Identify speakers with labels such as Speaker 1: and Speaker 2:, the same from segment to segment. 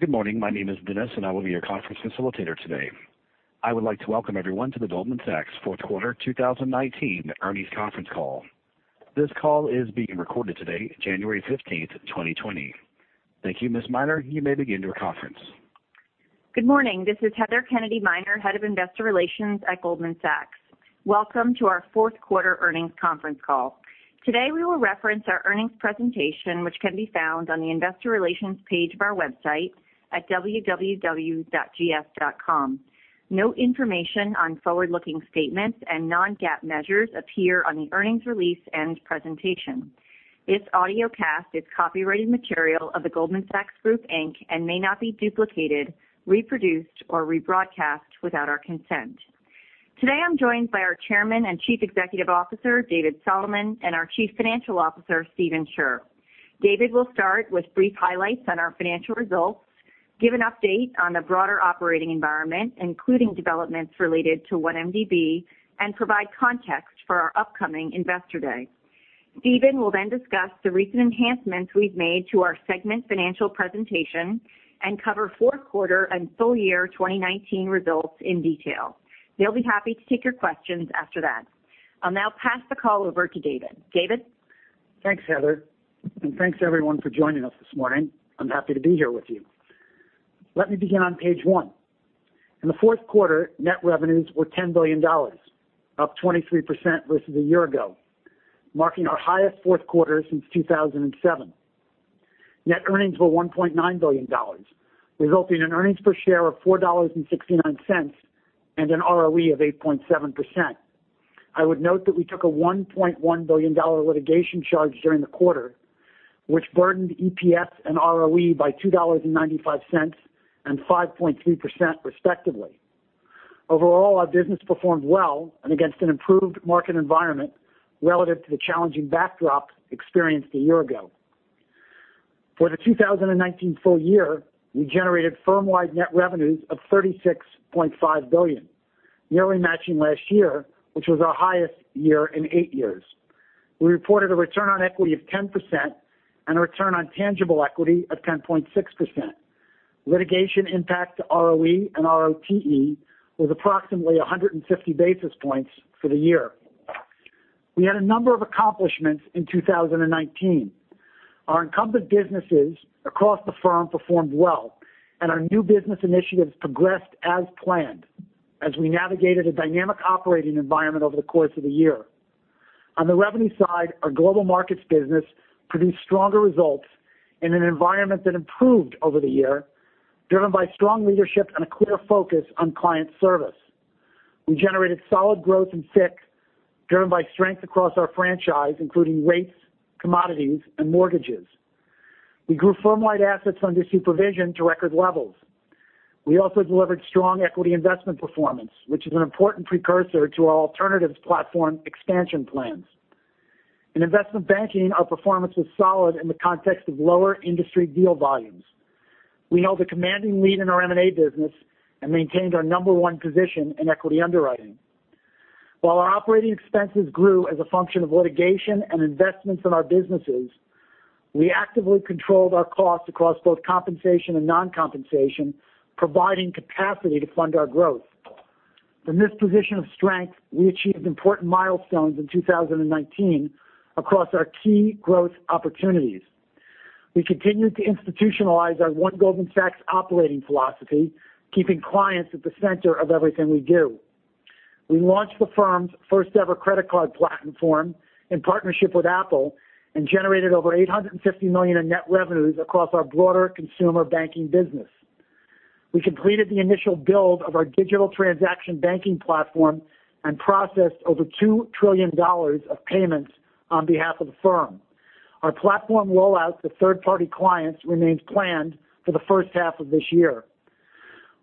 Speaker 1: Good morning. My name is Dennis, and I will be your conference facilitator today. I would like to welcome everyone to the Goldman Sachs fourth quarter 2019 earnings conference call. This call is being recorded today, January 15th, 2020. Thank you, Ms. Miner. You may begin your conference.
Speaker 2: Good morning. This is Heather Kennedy Miner, Head of Investor Relations at Goldman Sachs. Welcome to our fourth quarter earnings conference call. Today we will reference our earnings presentation, which can be found on the investor relations page of our website at www.gs.com. Note information on forward-looking statements and non-GAAP measures appear on the earnings release and presentation. This audiocast is copyrighted material of The Goldman Sachs Group, Inc. and may not be duplicated, reproduced, or rebroadcast without our consent. Today I'm joined by our Chairman and Chief Executive Officer, David Solomon, and our Chief Financial Officer, Stephen Scherr. David will start with brief highlights on our financial results, give an update on the broader operating environment, including developments related to 1MDB, and provide context for our upcoming Investor Day. Stephen will discuss the recent enhancements we've made to our segment financial presentation and cover fourth quarter and full year 2019 results in detail. They'll be happy to take your questions after that. I'll now pass the call over to David. David?
Speaker 3: Thanks, Heather, thanks everyone for joining us this morning. I'm happy to be here with you. Let me begin on page one. In the fourth quarter, net revenues were $10 billion, up 23% versus a year ago, marking our highest fourth quarter since 2007. Net earnings were $1.9 billion, resulting in earnings per share of $4.69 and an ROE of 8.7%. I would note that we took a $1.1 billion litigation charge during the quarter, which burdened EPS and ROE by $2.95 and 5.3% respectively. Overall, our business performed well and against an improved market environment relative to the challenging backdrop experienced a year ago. For the 2019 full year, we generated firm-wide net revenues of $36.5 billion, nearly matching last year, which was our highest year in eight years. We reported a return on equity of 10% and a return on tangible equity of 10.6%. Litigation impact to ROE and ROTE was approximately 150 basis points for the year. We had a number of accomplishments in 2019. Our incumbent businesses across the firm performed well, and our new business initiatives progressed as planned as we navigated a dynamic operating environment over the course of the year. On the revenue side, our Global Markets business produced stronger results in an environment that improved over the year, driven by strong leadership and a clear focus on client service. We generated solid growth in FICC, driven by strength across our franchise, including rates, commodities, and mortgages. We grew firm-wide assets under supervision to record levels. We also delivered strong equity investment performance, which is an important precursor to our alternatives platform expansion plans. In investment banking, our performance was solid in the context of lower industry deal volumes. We held a commanding lead in our M&A business and maintained our number one position in equity underwriting. While our operating expenses grew as a function of litigation and investments in our businesses, we actively controlled our costs across both compensation and non-compensation, providing capacity to fund our growth. From this position of strength, we achieved important milestones in 2019 across our key growth opportunities. We continued to institutionalize our One Goldman Sachs operating philosophy, keeping clients at the center of everything we do. We launched the firm's first-ever credit card platform in partnership with Apple and generated over $850 million in net revenues across our broader consumer banking business. We completed the initial build of our digital transaction banking platform and processed over $2 trillion of payments on behalf of the firm. Our platform rollout to third-party clients remains planned for the first half of this year.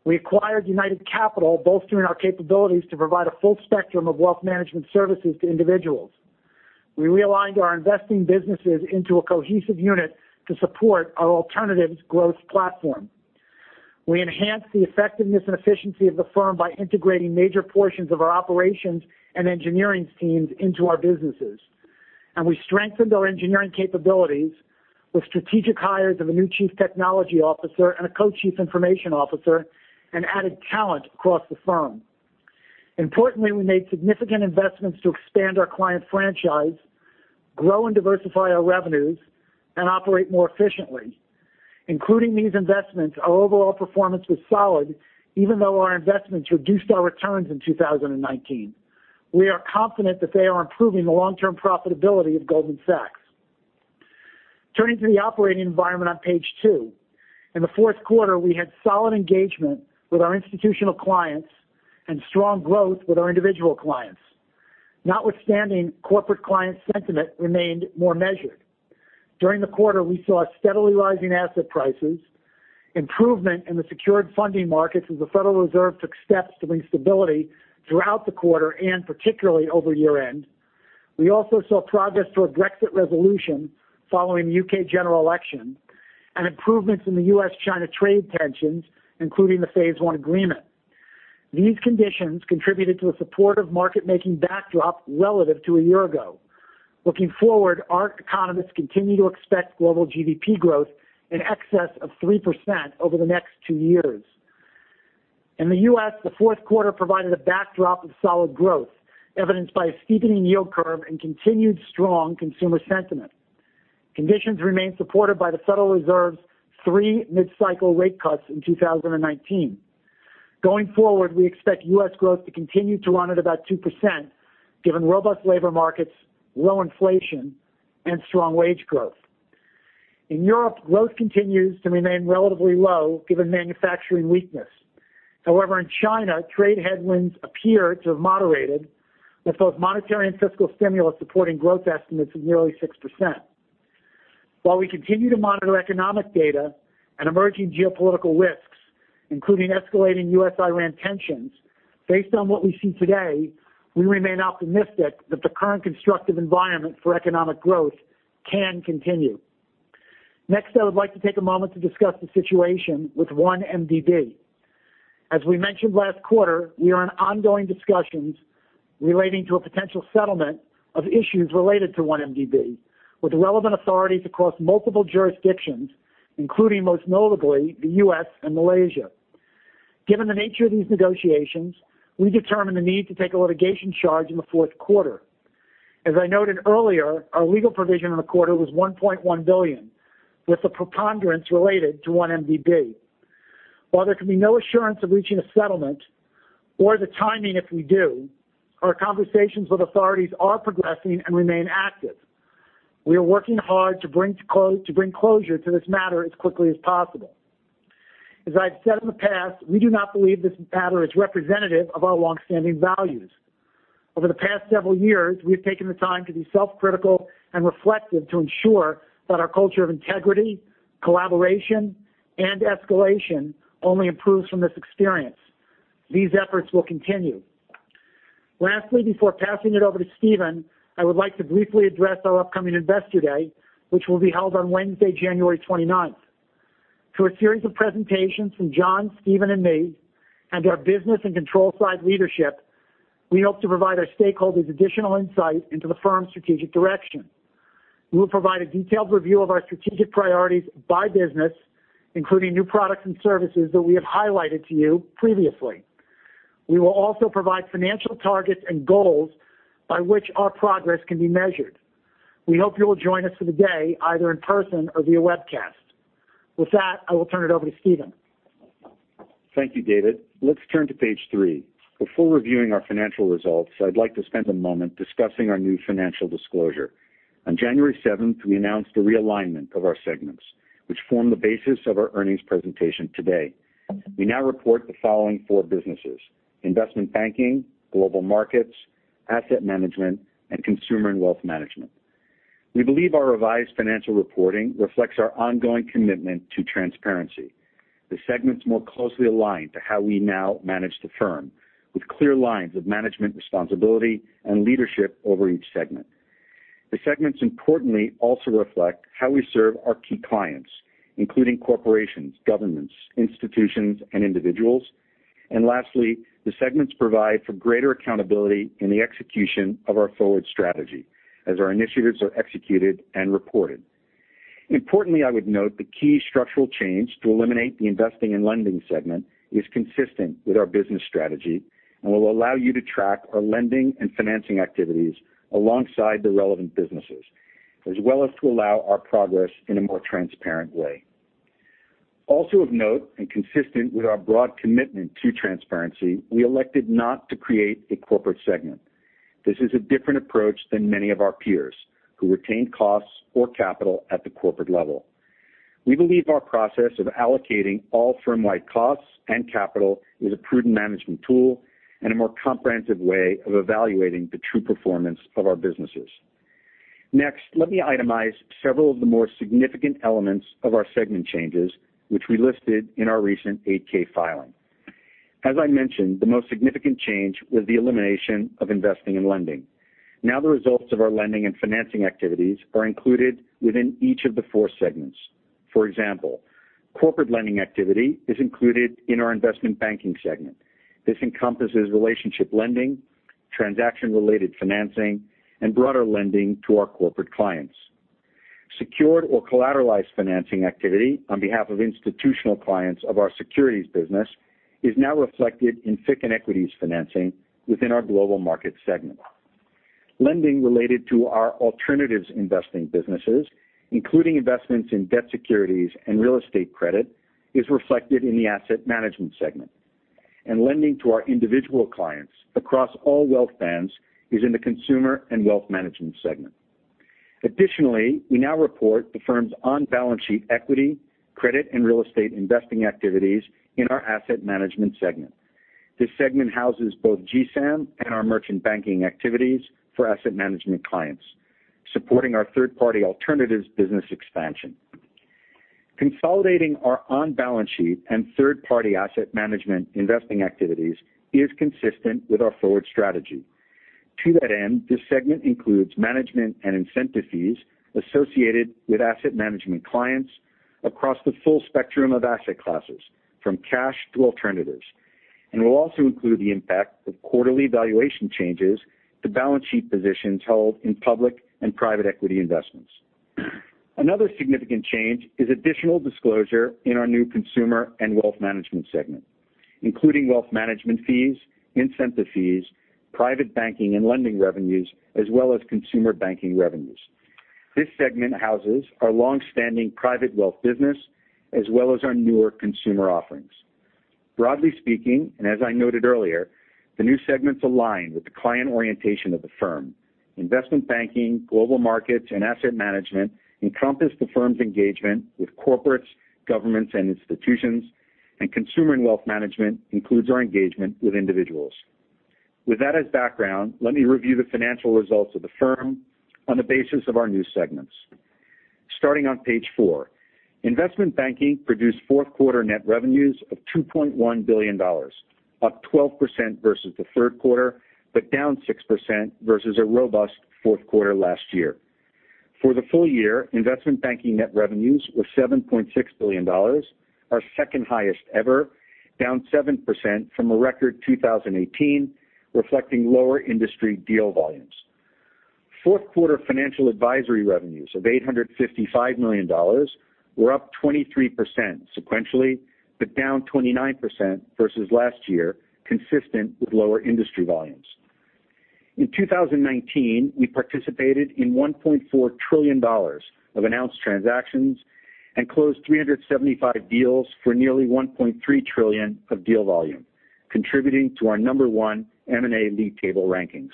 Speaker 3: We acquired United Capital, bolstering our capabilities to provide a full spectrum of wealth management services to individuals. We realigned our investing businesses into a cohesive unit to support our alternatives growth platform. We enhanced the effectiveness and efficiency of the firm by integrating major portions of our operations and engineering teams into our businesses. We strengthened our engineering capabilities with strategic hires of a new chief technology officer and a co-chief information officer and added talent across the firm. Importantly, we made significant investments to expand our client franchise, grow and diversify our revenues, and operate more efficiently. Including these investments, our overall performance was solid, even though our investments reduced our returns in 2019. We are confident that they are improving the long-term profitability of Goldman Sachs. Turning to the operating environment on page two. In the fourth quarter, we had solid engagement with our institutional clients and strong growth with our individual clients. Notwithstanding, corporate client sentiment remained more measured. During the quarter, we saw steadily rising asset prices, improvement in the secured funding markets as the Federal Reserve took steps to bring stability throughout the quarter and particularly over year-end. We also saw progress toward Brexit resolution following the U.K. general election and improvements in the U.S.-China trade tensions, including the phase one agreement. These conditions contributed to a supportive market-making backdrop relative to a year ago. Looking forward, our economists continue to expect global GDP growth in excess of 3% over the next two years. In the U.S., the fourth quarter provided a backdrop of solid growth, evidenced by a steepening yield curve and continued strong consumer sentiment. Conditions remain supported by the Federal Reserve's three mid-cycle rate cuts in 2019. Going forward, we expect U.S. growth to continue to run at about 2%, given robust labor markets, low inflation, and strong wage growth. In Europe, growth continues to remain relatively low given manufacturing weakness. However, in China, trade headwinds appear to have moderated, with both monetary and fiscal stimulus supporting growth estimates of nearly 6%. While we continue to monitor economic data and emerging geopolitical risks, including escalating U.S.-Iran tensions, based on what we see today, we remain optimistic that the current constructive environment for economic growth can continue. Next, I would like to take a moment to discuss the situation with 1MDB. As we mentioned last quarter, we are in ongoing discussions relating to a potential settlement of issues related to 1MDB, with relevant authorities across multiple jurisdictions, including, most notably, the U.S. and Malaysia. Given the nature of these negotiations, we determined the need to take a litigation charge in the fourth quarter. As I noted earlier, our legal provision in the quarter was $1.1 billion, with the preponderance related to 1MDB. While there can be no assurance of reaching a settlement or the timing if we do, our conversations with authorities are progressing and remain active. We are working hard to bring closure to this matter as quickly as possible. As I've said in the past, we do not believe this matter is representative of our longstanding values. Over the past several years, we have taken the time to be self-critical and reflective to ensure that our culture of integrity, collaboration, and escalation only improves from this experience. These efforts will continue. Lastly, before passing it over to Stephen, I would like to briefly address our upcoming Investor Day, which will be held on Wednesday, January 29th. Through a series of presentations from John, Stephen, and me, and our business and control side leadership, we hope to provide our stakeholders additional insight into the firm's strategic direction. We will provide a detailed review of our strategic priorities by business, including new products and services that we have highlighted to you previously. We will also provide financial targets and goals by which our progress can be measured. We hope you will join us for the day, either in person or via webcast. With that, I will turn it over to Stephen.
Speaker 4: Thank you, David. Let's turn to page three. Before reviewing our financial results, I'd like to spend a moment discussing our new financial disclosure. On January seventh, we announced a realignment of our segments, which form the basis of our earnings presentation today. We now report the following four businesses, Investment Banking, Global Markets, Asset Management, and Consumer and Wealth Management. We believe our revised financial reporting reflects our ongoing commitment to transparency. The segments more closely aligned to how we now manage the firm, with clear lines of management responsibility and leadership over each segment. The segments importantly also reflect how we serve our key clients, including corporations, governments, institutions, and individuals. Lastly, the segments provide for greater accountability in the execution of our forward strategy as our initiatives are executed and reported. Importantly, I would note the key structural change to eliminate the Investing & Lending segment is consistent with our business strategy and will allow you to track our lending and financing activities alongside the relevant businesses, as well as to allow our progress in a more transparent way. Also of note, and consistent with our broad commitment to transparency, we elected not to create a corporate segment. This is a different approach than many of our peers who retain costs or capital at the corporate level. We believe our process of allocating all firm-wide costs and capital is a prudent management tool and a more comprehensive way of evaluating the true performance of our businesses. Let me itemize several of the more significant elements of our segment changes, which we listed in our recent 8-K filing. As I mentioned, the most significant change was the elimination of Investing & Lending. The results of our lending and financing activities are included within each of the four segments. Corporate lending activity is included in our Investment Banking segment. This encompasses relationship lending, transaction-related financing, and broader lending to our corporate clients. Secured or collateralized financing activity on behalf of institutional clients of our securities business is now reflected in FICC and equities financing within our Global Markets segment. Lending related to our alternatives investing businesses, including investments in debt securities and real estate credit, is reflected in the Asset Management segment. Lending to our individual clients across all wealth bands is in the Consumer and Wealth Management segment. Additionally, we now report the firm's on-balance sheet equity, credit, and real estate investing activities in our Asset Management segment. This segment houses both GSAM and our merchant banking activities for asset management clients, supporting our third-party alternatives business expansion. Consolidating our on-balance sheet and third-party asset management investing activities is consistent with our forward strategy. To that end, this segment includes management and incentive fees associated with asset management clients across the full spectrum of asset classes, from cash to alternatives, and will also include the impact of quarterly valuation changes to balance sheet positions held in public and private equity investments. Another significant change is additional disclosure in our new Consumer and Wealth Management segment, including wealth management fees, incentive fees, private banking and lending revenues, as well as consumer banking revenues. This segment houses our long-standing Private Wealth business as well as our newer consumer offerings. Broadly speaking, and as I noted earlier, the new segments align with the client orientation of the firm. Investment Banking, Global Markets, and Asset Management encompass the firm's engagement with corporates, governments, and institutions, and Consumer and Wealth Management includes our engagement with individuals. With that as background, let me review the financial results of the firm on the basis of our new segments. Starting on page four, Investment Banking produced fourth quarter net revenues of $2.1 billion, up 12% versus the third quarter. Down 6% versus a robust fourth quarter last year. For the full year, Investment Banking net revenues were $7.6 billion, our second highest ever, down 7% from a record 2018, reflecting lower industry deal volumes. Fourth quarter financial advisory revenues of $855 million were up 23% sequentially. Down 29% versus last year, consistent with lower industry volumes. In 2019, we participated in $1.4 trillion of announced transactions and closed 375 deals for nearly $1.3 trillion of deal volume, contributing to our number one M&A lead table rankings.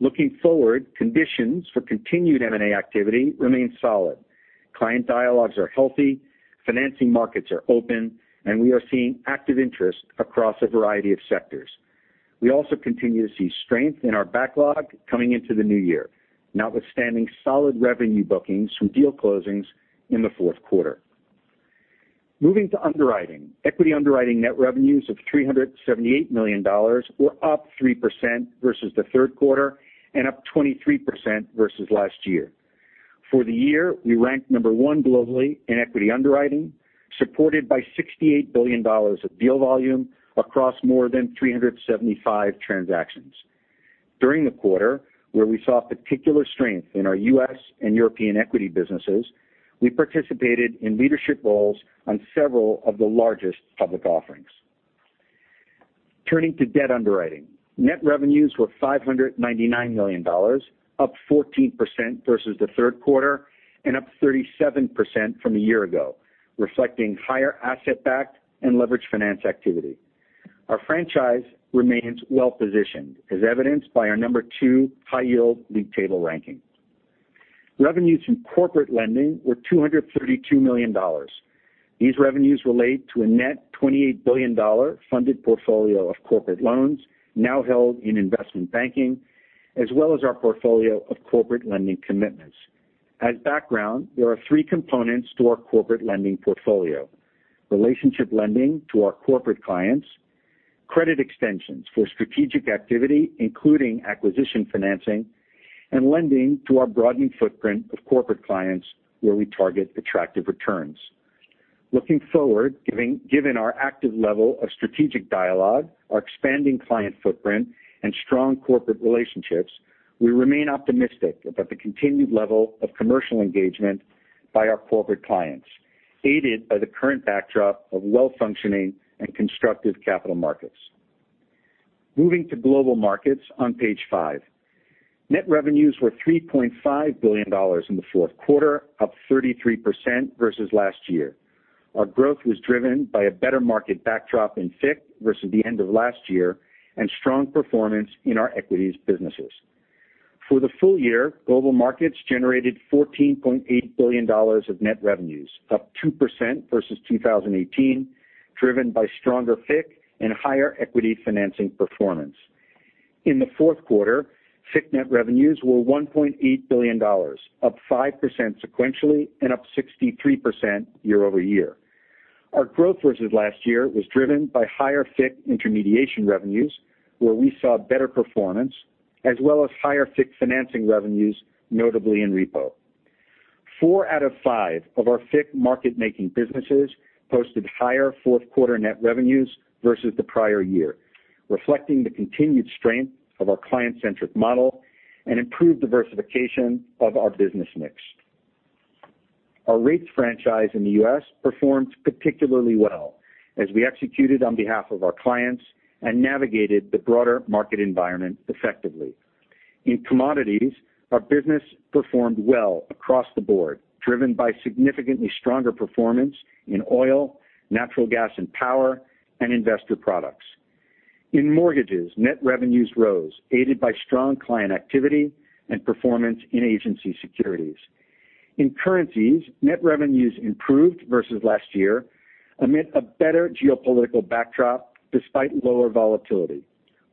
Speaker 4: Looking forward, conditions for continued M&A activity remain solid. Client dialogues are healthy, financing markets are open, and we are seeing active interest across a variety of sectors. We also continue to see strength in our backlog coming into the new year, notwithstanding solid revenue bookings from deal closings in the fourth quarter. Moving to underwriting. Equity underwriting net revenues of $378 million were up 3% versus the third quarter and up 23% versus last year. For the year, we ranked number one globally in equity underwriting, supported by $68 billion of deal volume across more than 375 transactions. During the quarter, where we saw particular strength in our U.S. European equity businesses, we participated in leadership roles on several of the largest public offerings. Turning to debt underwriting. Net revenues were $599 million, up 14% versus the third quarter and up 37% from a year ago, reflecting higher asset-backed and leveraged finance activity. Our franchise remains well-positioned, as evidenced by our number 2 high-yield lead table ranking. Revenues from corporate lending were $232 million. These revenues relate to a net $28 billion funded portfolio of corporate loans now held in Investment Banking, as well as our portfolio of corporate lending commitments. As background, there are three components to our corporate lending portfolio. Relationship lending to our corporate clients, credit extensions for strategic activity, including acquisition financing, and lending to our broadening footprint of corporate clients where we target attractive returns. Looking forward, given our active level of strategic dialogue, our expanding client footprint, and strong corporate relationships, we remain optimistic about the continued level of commercial engagement by our corporate clients, aided by the current backdrop of well-functioning and constructive capital markets. Moving to global markets on page five. Net revenues were $3.5 billion in the fourth quarter, up 33% versus last year. Our growth was driven by a better market backdrop in FICC versus the end of last year and strong performance in our equities businesses. For the full year, global markets generated $14.8 billion of net revenues, up 2% versus 2018, driven by stronger FICC and higher equity financing performance. In the fourth quarter, FICC net revenues were $1.8 billion, up 5% sequentially and up 63% year-over-year. Our growth versus last year was driven by higher FICC intermediation revenues, where we saw better performance, as well as higher FICC financing revenues, notably in repo. Four out of five of our FICC market-making businesses posted higher fourth-quarter net revenues versus the prior year, reflecting the continued strength of our client-centric model and improved diversification of our business mix. Our rates franchise in the U.S. performed particularly well as we executed on behalf of our clients and navigated the broader market environment effectively. In commodities, our business performed well across the board, driven by significantly stronger performance in oil, natural gas and power, and investor products. In mortgages, net revenues rose, aided by strong client activity and performance in agency securities. In currencies, net revenues improved versus last year amid a better geopolitical backdrop despite lower volatility.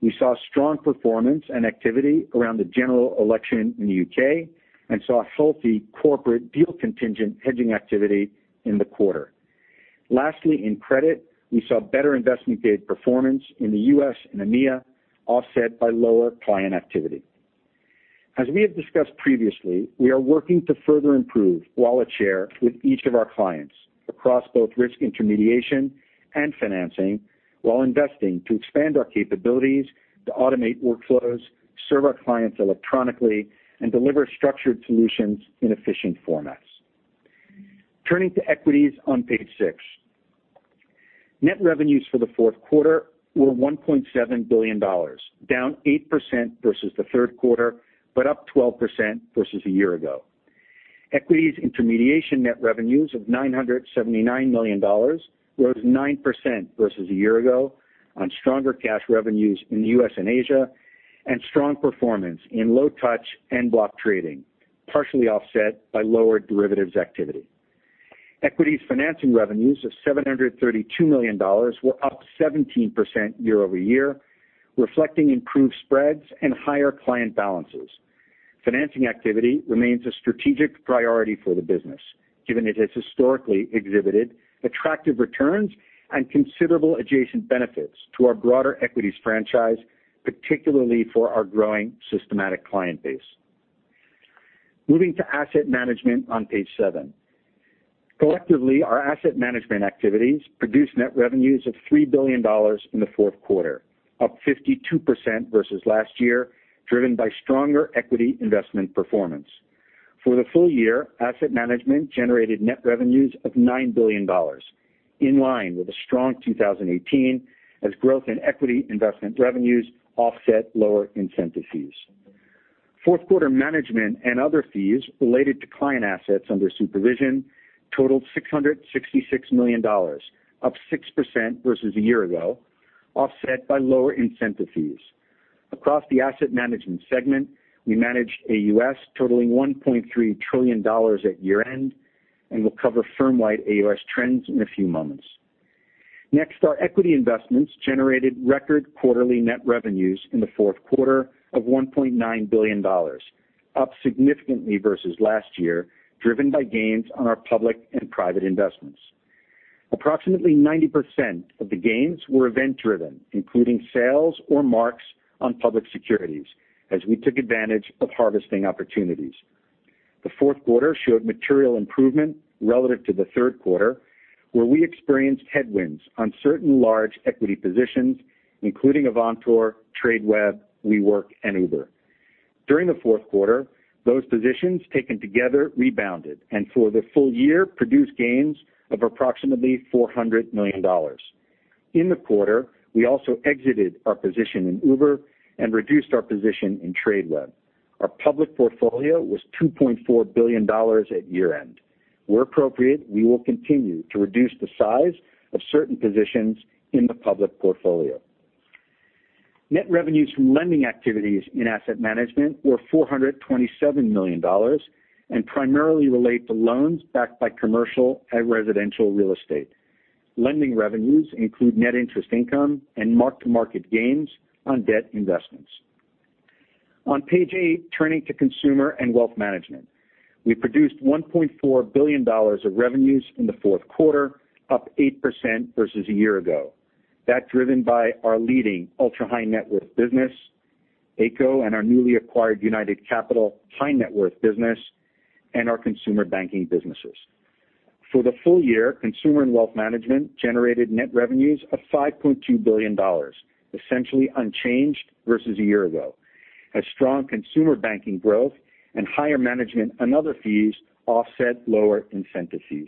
Speaker 4: We saw strong performance and activity around the general election in the U.K. and saw healthy corporate deal contingent hedging activity in the quarter. Lastly, in credit, we saw better investment grade performance in the U.S. and EMEA, offset by lower client activity. We have discussed previously, we are working to further improve wallet share with each of our clients across both risk intermediation and financing while investing to expand our capabilities to automate workflows, serve our clients electronically, and deliver structured solutions in efficient formats. Turning to equities on page six. Net revenues for the fourth quarter were $1.7 billion, down 8% versus the third quarter, up 12% versus a year ago. Equities intermediation net revenues of $979 million rose 9% versus a year ago on stronger cash revenues in the U.S. and Asia and strong performance in low touch and block trading, partially offset by lower derivatives activity. Equities financing revenues of $732 million were up 17% year-over-year, reflecting improved spreads and higher client balances. Financing activity remains a strategic priority for the business, given it has historically exhibited attractive returns and considerable adjacent benefits to our broader equities franchise, particularly for our growing systematic client base. Moving to asset management on page seven. Collectively, our asset management activities produced net revenues of $3 billion in the fourth quarter, up 52% versus last year, driven by stronger equity investment performance. For the full year, asset management generated net revenues of $9 billion, in line with a strong 2018 as growth in equity investment revenues offset lower incentive fees. Fourth quarter management and other fees related to client assets under supervision totaled $666 million, up 6% versus a year ago, offset by lower incentive fees. Across the asset management segment, we managed AUMs totaling $1.3 trillion at year-end, and we'll cover firm-wide AUMs trends in a few moments. Next, our equity investments generated record quarterly net revenues in the fourth quarter of $1.9 billion, up significantly versus last year, driven by gains on our public and private investments. Approximately 90% of the gains were event-driven, including sales or marks on public securities as we took advantage of harvesting opportunities. The fourth quarter showed material improvement relative to the third quarter, where we experienced headwinds on certain large equity positions, including Avantor, Tradeweb, WeWork, and Uber. During the fourth quarter, those positions, taken together, rebounded, and for the full year, produced gains of approximately $400 million. In the quarter, we also exited our position in Uber and reduced our position in Tradeweb. Our public portfolio was $2.4 billion at year-end. Where appropriate, we will continue to reduce the size of certain positions in the public portfolio. Net revenues from lending activities in Asset Management were $427 million and primarily relate to loans backed by commercial and residential real estate. Lending revenues include net interest income and mark-to-market gains on debt investments. On page eight, turning to Consumer and Wealth Management. We produced $1.4 billion of revenues in the fourth quarter, up 8% versus a year ago. That driven by our leading ultra-high net worth business, Ayco, and our newly acquired United Capital high net worth business, and our consumer banking businesses. For the full year, Consumer and Wealth Management generated net revenues of $5.2 billion, essentially unchanged versus a year ago as strong Consumer Banking growth and higher management and other fees offset lower incentive fees.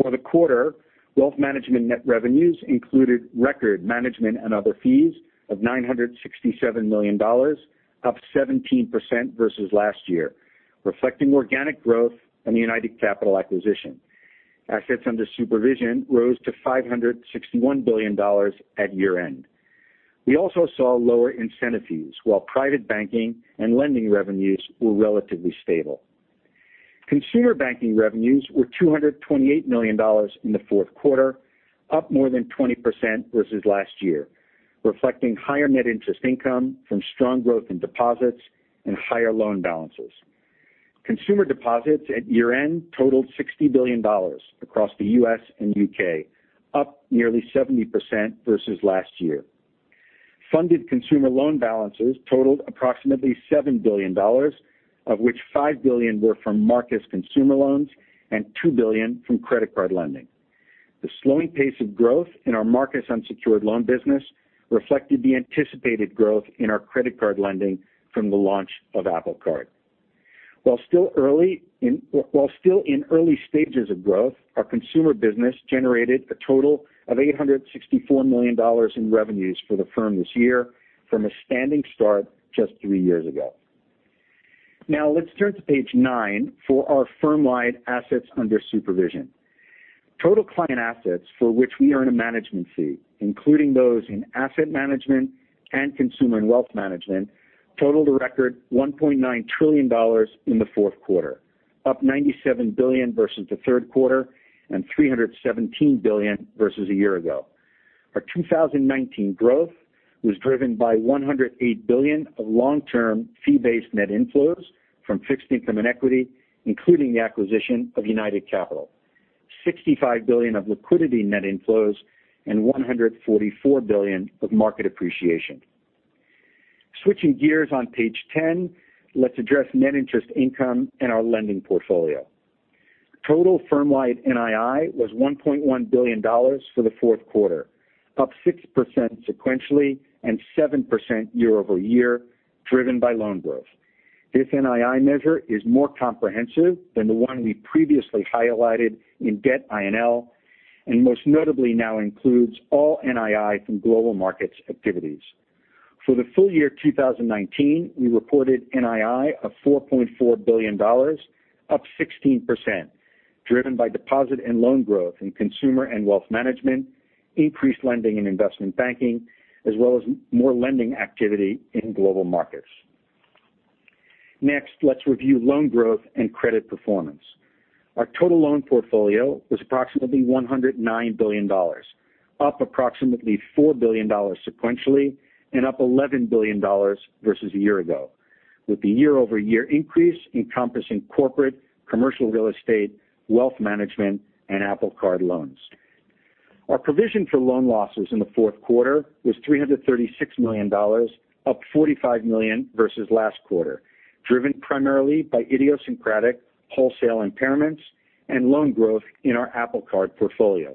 Speaker 4: For the quarter, Wealth Management net revenues included record management and other fees of $967 million, up 17% versus last year, reflecting organic growth in the United Capital acquisition. Assets under supervision rose to $561 billion at year-end. We also saw lower incentive fees while Private Banking and Lending revenues were relatively stable. Consumer Banking revenues were $228 million in the fourth quarter, up more than 20% versus last year, reflecting higher net interest income from strong growth in deposits and higher loan balances. Consumer deposits at year-end totaled $60 billion across the U.S. and U.K., up nearly 70% versus last year. Funded consumer loan balances totaled approximately $7 billion, of which $5 billion were from Marcus consumer loans and $2 billion from credit card lending. The slowing pace of growth in our Marcus unsecured loan business reflected the anticipated growth in our credit card lending from the launch of Apple Card. While still in early stages of growth, our consumer business generated a total of $864 million in revenues for the firm this year from a standing start just three years ago. Now let's turn to page nine for our firm-wide assets under supervision. Total client assets for which we earn a management fee, including those in asset management and consumer and wealth management, totaled a record $1.9 trillion in the fourth quarter, up $97 billion versus the third quarter and $317 billion versus a year ago. Our 2019 growth was driven by $108 billion of long-term fee-based net inflows from fixed income and equity, including the acquisition of United Capital, $65 billion of liquidity net inflows, and $144 billion of market appreciation. Switching gears on page 10, let's address net interest income and our lending portfolio. Total firm-wide NII was $1.1 billion for the fourth quarter, up 6% sequentially and 7% year-over-year, driven by loan growth. This NII measure is more comprehensive than the one we previously highlighted in debt I&L, and most notably now includes all NII from global markets activities. For the full year 2019, we reported NII of $4.4 billion, up 16%, driven by deposit and loan growth in consumer and wealth management, increased lending and investment banking, as well as more lending activity in global markets. Next, let's review loan growth and credit performance. Our total loan portfolio was approximately $109 billion, up approximately $4 billion sequentially, and up $11 billion versus a year ago, with the year-over-year increase encompassing corporate, commercial real estate, wealth management, and Apple Card loans. Our provision for loan losses in the fourth quarter was $336 million, up $45 million versus last quarter, driven primarily by idiosyncratic wholesale impairments and loan growth in our Apple Card portfolio.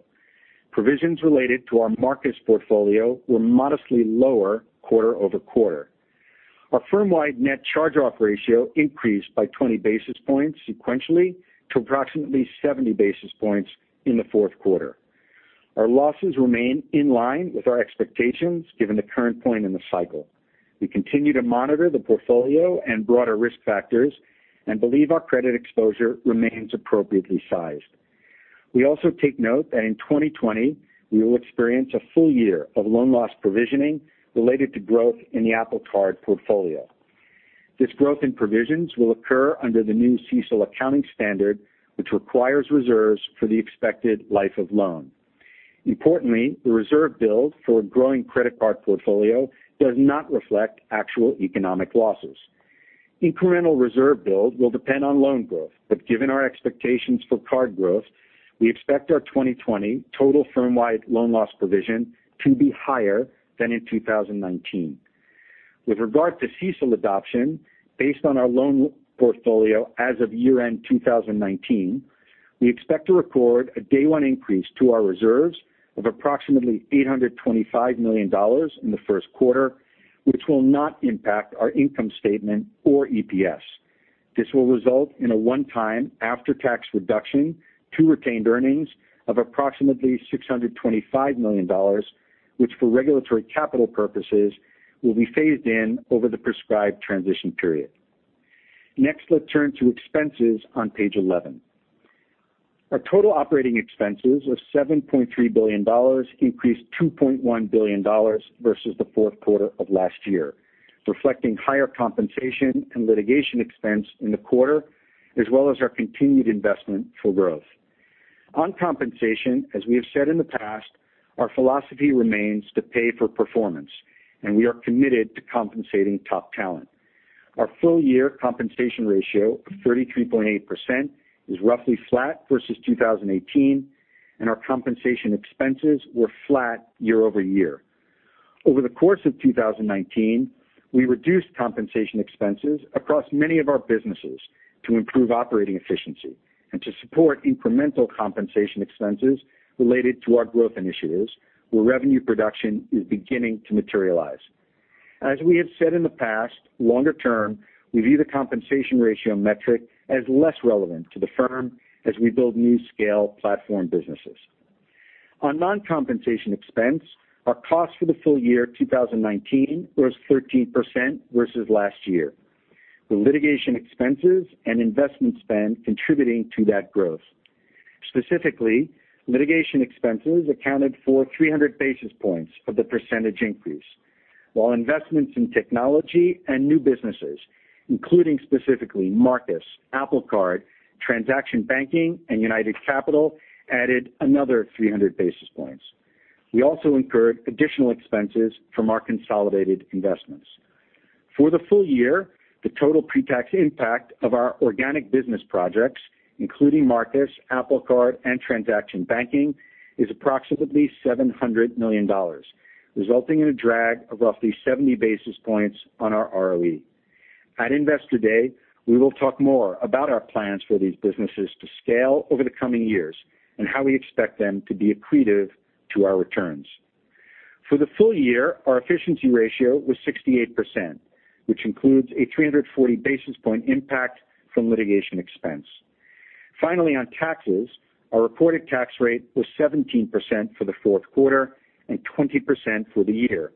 Speaker 4: Provisions related to our markets portfolio were modestly lower quarter-over-quarter. Our firm-wide net charge-off ratio increased by 20 basis points sequentially to approximately 70 basis points in the fourth quarter. Our losses remain in line with our expectations given the current point in the cycle. We continue to monitor the portfolio and broader risk factors and believe our credit exposure remains appropriately sized. We also take note that in 2020, we will experience a full year of loan loss provisioning related to growth in the Apple Card portfolio. This growth in provisions will occur under the new CECL accounting standard, which requires reserves for the expected life of loan. Importantly, the reserve build for a growing credit card portfolio does not reflect actual economic losses. Incremental reserve build will depend on loan growth, but given our expectations for card growth, we expect our 2020 total firm-wide loan loss provision to be higher than in 2019. With regard to CECL adoption, based on our loan portfolio as of year-end 2019, we expect to record a day one increase to our reserves of $825 million in the first quarter, which will not impact our income statement or EPS. This will result in a one-time after-tax reduction to retained earnings of $625 million, which for regulatory capital purposes, will be phased in over the prescribed transition period. Next, let's turn to expenses on page 11. Our total operating expenses was $7.3 billion, increased $2.1 billion versus the fourth quarter of last year, reflecting higher compensation and litigation expense in the quarter, as well as our continued investment for growth. On compensation, as we have said in the past, our philosophy remains to pay for performance, and we are committed to compensating top talent. Our full year compensation ratio of 33.8% is roughly flat versus 2018, and our compensation expenses were flat year-over-year. Over the course of 2019, we reduced compensation expenses across many of our businesses to improve operating efficiency and to support incremental compensation expenses related to our growth initiatives where revenue production is beginning to materialize. As we have said in the past, longer term, we view the compensation ratio metric as less relevant to the firm as we build new scale platform businesses. On non-compensation expense, our cost for the full year 2019 was 13% versus last year, the litigation expenses and investment spend contributing to that growth. Specifically, litigation expenses accounted for 300 basis points of the percentage increase. While investments in technology and new businesses, including specifically Marcus, Apple Card, transaction banking, and United Capital, added another 300 basis points. We also incurred additional expenses from our consolidated investments. For the full year, the total pre-tax impact of our organic business projects, including Marcus, Apple Card, and transaction banking, is approximately $700 million, resulting in a drag of roughly 70 basis points on our ROE. At Investor Day, we will talk more about our plans for these businesses to scale over the coming years and how we expect them to be accretive to our returns. For the full year, our efficiency ratio was 68%, which includes a 340 basis point impact from litigation expense. Finally, on taxes, our reported tax rate was 17% for the fourth quarter and 20% for the year.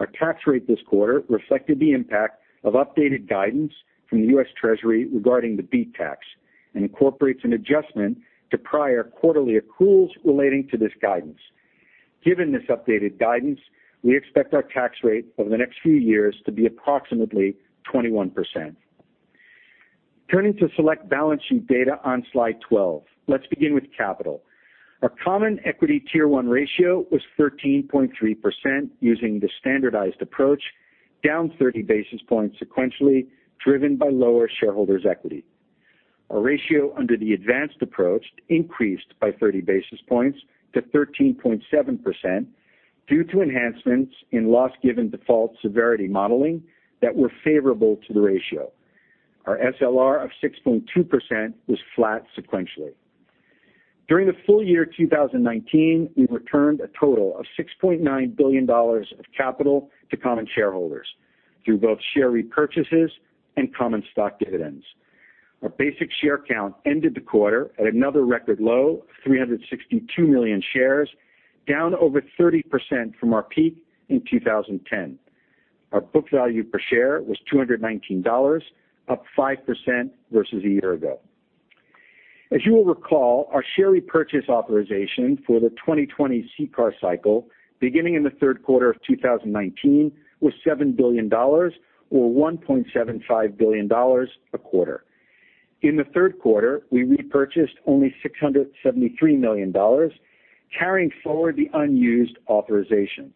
Speaker 4: Our tax rate this quarter reflected the impact of updated guidance from the U.S. Treasury regarding the BEAT tax and incorporates an adjustment to prior quarterly accruals relating to this guidance. Given this updated guidance, we expect our tax rate over the next few years to be approximately 21%. Turning to select balance sheet data on slide 12. Let's begin with capital. Our Common Equity Tier 1 ratio was 13.3% using the standardized approach, down 30 basis points sequentially, driven by lower shareholders' equity. Our ratio under the advanced approach increased by 30 basis points to 13.7%, due to enhancements in loss given default severity modeling that were favorable to the ratio. Our SLR of 6.2% was flat sequentially. During the full year 2019, we returned a total of $6.9 billion of capital to common shareholders through both share repurchases and common stock dividends. Our basic share count ended the quarter at another record low of 362 million shares, down over 30% from our peak in 2010. Our book value per share was $219, up 5% versus a year ago. As you will recall, our share repurchase authorization for the 2020 CCAR cycle, beginning in the third quarter of 2019, was $7 billion, or $1.75 billion a quarter. In the third quarter, we repurchased only $673 million, carrying forward the unused authorization.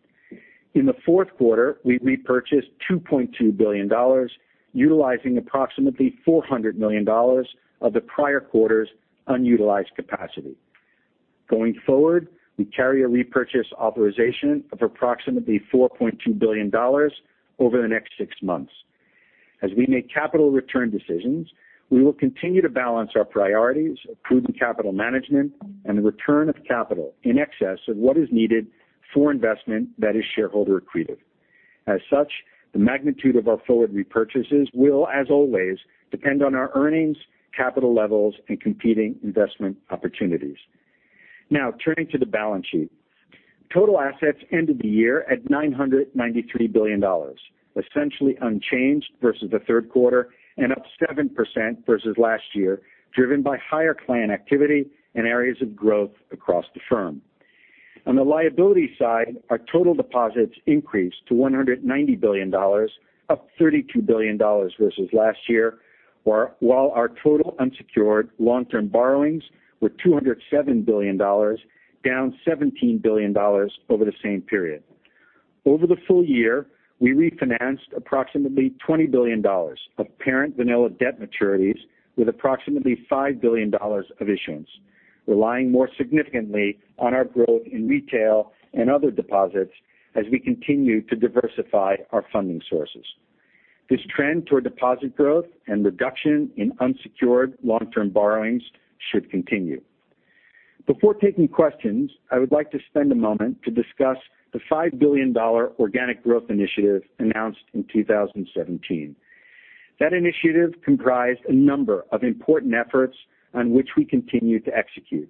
Speaker 4: In the fourth quarter, we repurchased $2.2 billion, utilizing approximately $400 million of the prior quarter's unutilized capacity. Going forward, we carry a repurchase authorization of approximately $4.2 billion over the next six months. As we make capital return decisions, we will continue to balance our priorities, prudent capital management, and the return of capital in excess of what is needed for investment that is shareholder accretive. As such, the magnitude of our forward repurchases will, as always, depend on our earnings, capital levels, and competing investment opportunities. Now, turning to the balance sheet. Total assets ended the year at $993 billion, essentially unchanged versus the third quarter and up 7% versus last year, driven by higher client activity and areas of growth across the firm. On the liability side, our total deposits increased to $190 billion, up $32 billion versus last year, while our total unsecured long-term borrowings were $207 billion, down $17 billion over the same period. Over the full year, we refinanced approximately $20 billion of parent vanilla debt maturities with approximately $5 billion of issuance, relying more significantly on our growth in retail and other deposits as we continue to diversify our funding sources. This trend toward deposit growth and reduction in unsecured long-term borrowings should continue. Before taking questions, I would like to spend a moment to discuss the $5 billion Organic Growth Initiative announced in 2017. That initiative comprised a number of important efforts on which we continue to execute,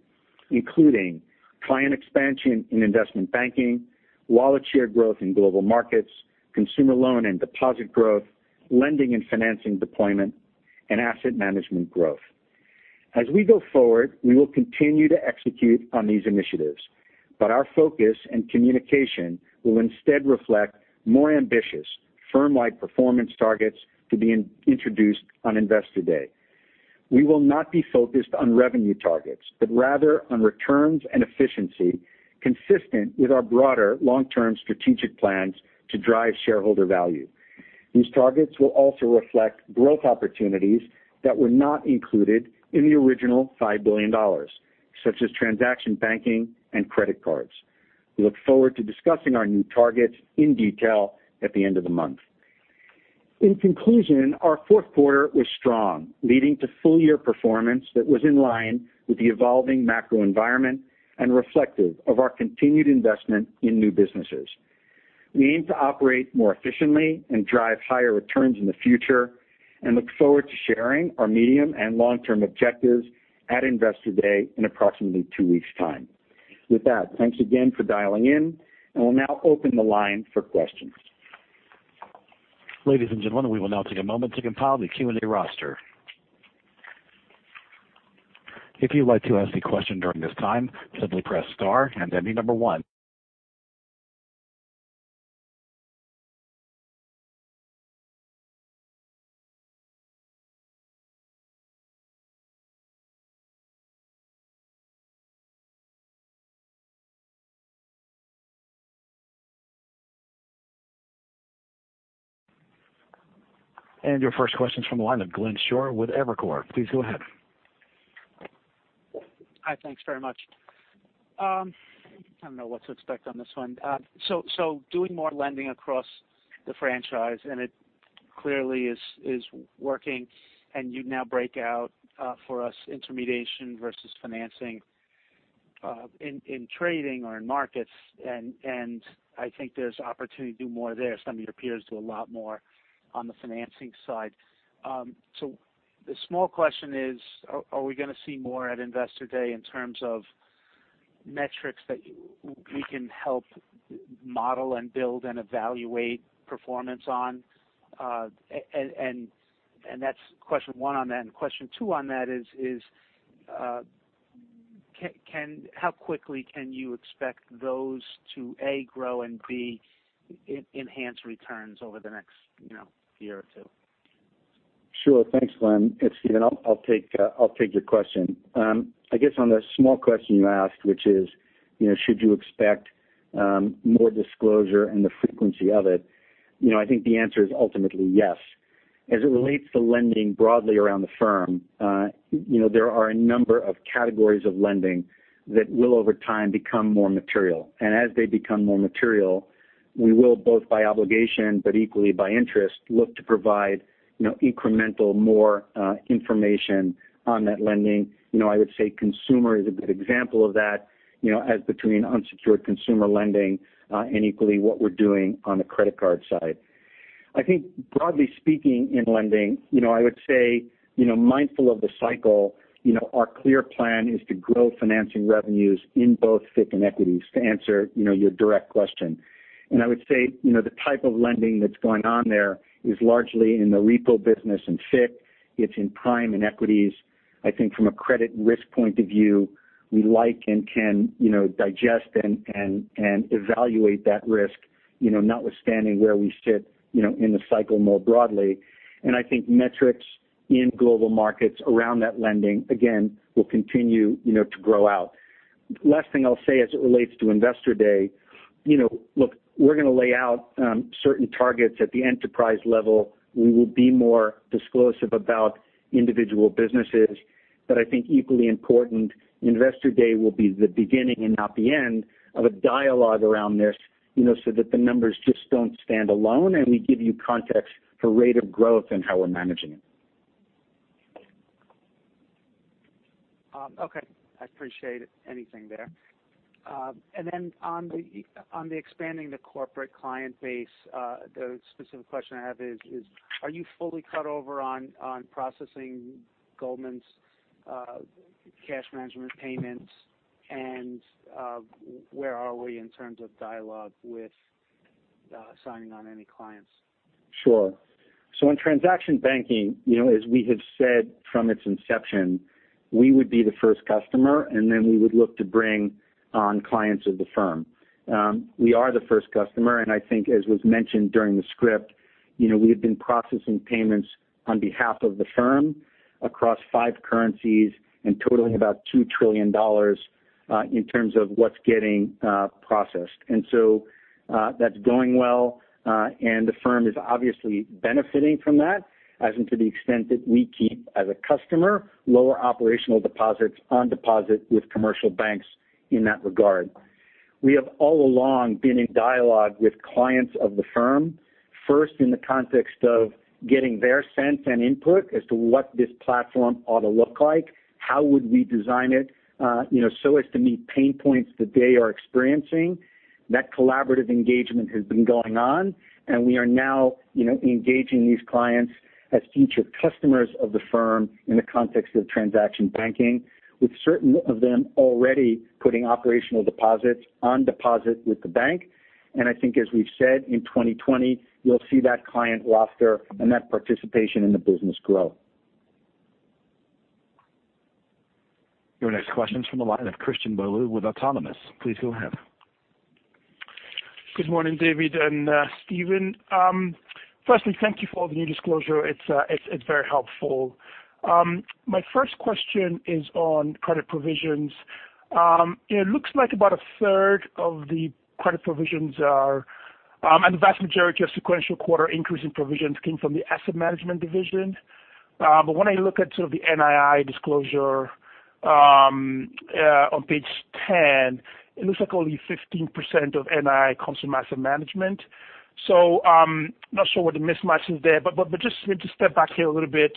Speaker 4: including client expansion in investment banking, wallet share growth in global markets, consumer loan and deposit growth, lending and financing deployment, and asset management growth. As we go forward, we will continue to execute on these initiatives, but our focus and communication will instead reflect more ambitious firm-wide performance targets to be introduced on Investor Day. We will not be focused on revenue targets, but rather on returns and efficiency consistent with our broader long-term strategic plans to drive shareholder value. These targets will also reflect growth opportunities that were not included in the original $5 billion, such as transaction banking and credit cards. We look forward to discussing our new targets in detail at the end of the month. In conclusion, our fourth quarter was strong, leading to full-year performance that was in line with the evolving macro environment and reflective of our continued investment in new businesses. We aim to operate more efficiently and drive higher returns in the future and look forward to sharing our medium and long-term objectives at Investor Day in approximately two weeks' time. With that, thanks again for dialing in, and we'll now open the line for questions.
Speaker 1: Ladies and gentlemen, we will now take a moment to compile the Q&A roster. If you'd like to ask a question during this time, simply press star and then the number one. Your first question's from the line of Glenn Schorr with Evercore. Please go ahead.
Speaker 5: Hi. Thanks very much. I don't know what to expect on this one. Doing more lending across the franchise, and it clearly is working, and you now break out for us intermediation versus financing in trading or in markets, and I think there's opportunity to do more there. Some of your peers do a lot more on the financing side. The small question is, are we going to see more at Investor Day in terms of metrics that we can help model and build and evaluate performance on? That's question one on that. Question two on that is, how quickly can you expect those to, A, grow, and B, enhance returns over the next year or two?
Speaker 4: Sure. Thanks, Glenn. It's Stephen. I'll take your question. I guess on the small question you asked, which is should you expect more disclosure and the frequency of it, I think the answer is ultimately yes. As it relates to lending broadly around the firm, there are a number of categories of lending that will, over time, become more material. As they become more material, we will both by obligation but equally by interest, look to provide incremental more information on that lending. I would say consumer is a good example of that, as between unsecured consumer lending and equally what we're doing on the credit card side. I think broadly speaking in lending, I would say, mindful of the cycle, our clear plan is to grow financing revenues in both FICC and equities to answer your direct question. I would say the type of lending that's going on there is largely in the repo business and FICC. It's in prime and equities. I think from a credit risk point of view, we like and can digest and evaluate that risk, notwithstanding where we sit in the cycle more broadly. I think metrics in global markets around that lending, again, will continue to grow out. Last thing I'll say as it relates to Investor Day, look, we're going to lay out certain targets at the enterprise level. We will be more disclosive about individual businesses. I think equally important, Investor Day will be the beginning and not the end of a dialogue around this, so that the numbers just don't stand alone, and we give you context for rate of growth and how we're managing it.
Speaker 5: Okay. I appreciate anything there. On the expanding the corporate client base, the specific question I have is, are you fully cut over on processing Goldman's cash management payments? Where are we in terms of dialogue with signing on any clients?
Speaker 4: Sure. In transaction banking, as we have said from its inception, we would be the first customer, and then we would look to bring on clients of the firm. We are the first customer, and I think as was mentioned during the script, we have been processing payments on behalf of the firm across five currencies and totaling about $2 trillion in terms of what's getting processed. That's going well. The firm is obviously benefiting from that as into the extent that we keep, as a customer, lower operational deposits on deposit with commercial banks in that regard. We have all along been in dialogue with clients of the firm. First in the context of getting their sense and input as to what this platform ought to look like. How would we design it so as to meet pain points that they are experiencing. That collaborative engagement has been going on, and we are now engaging these clients as future customers of the firm in the context of transaction banking, with certain of them already putting operational deposits on deposit with the bank. I think as we've said, in 2020, you'll see that client roster and that participation in the business grow.
Speaker 1: Your next question's from the line of Christian Bolu with Autonomous. Please go ahead.
Speaker 6: Good morning, David and Stephen. Firstly, thank you for all the new disclosure. It's very helpful. My first question is on credit provisions. It looks like about a third of the credit provisions are, and the vast majority of sequential quarter increase in provisions came from the asset management division. When I look at sort of the NII disclosure on page 10, it looks like only 15% of NII comes from asset management. Not sure what the mismatch is there, just maybe to step back here a little bit,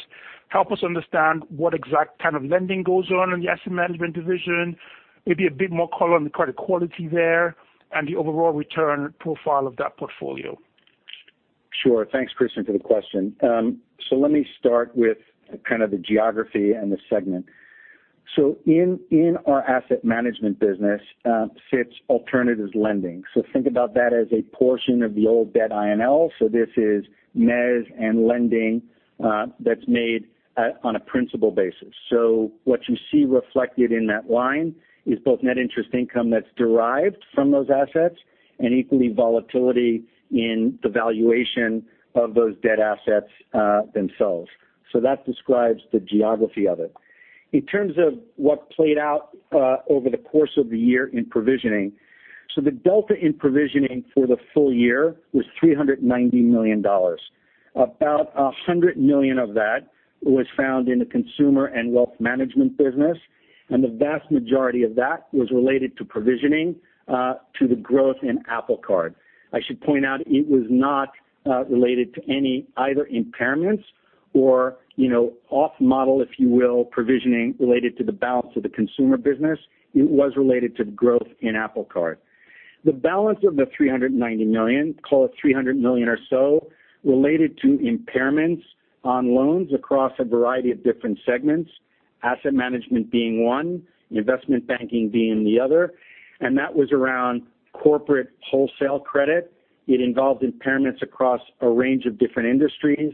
Speaker 6: help us understand what exact kind of lending goes on in the asset management division. Maybe a bit more color on the credit quality there and the overall return profile of that portfolio.
Speaker 4: Sure. Thanks, Christian, for the question. Let me start with kind of the geography and the segment. In our asset management business sits alternatives lending. Think about that as a portion of the old debt I&L. This is Mezzanine and lending that's made on a principal basis. What you see reflected in that line is both net interest income that's derived from those assets and equally volatility in the valuation of those debt assets themselves. That describes the geography of it. In terms of what played out over the course of the year in provisioning, so the delta in provisioning for the full year was $390 million. About $100 million of that was found in the consumer and wealth management business, and the vast majority of that was related to provisioning to the growth in Apple Card. I should point out it was not related to any either impairments or off-model, if you will, provisioning related to the balance of the consumer business. It was related to the growth in Apple Card. The balance of the $390 million, call it $300 million or so, related to impairments on loans across a variety of different segments, Asset Management being one, Investment Banking being the other, and that was around corporate wholesale credit. It involved impairments across a range of different industries.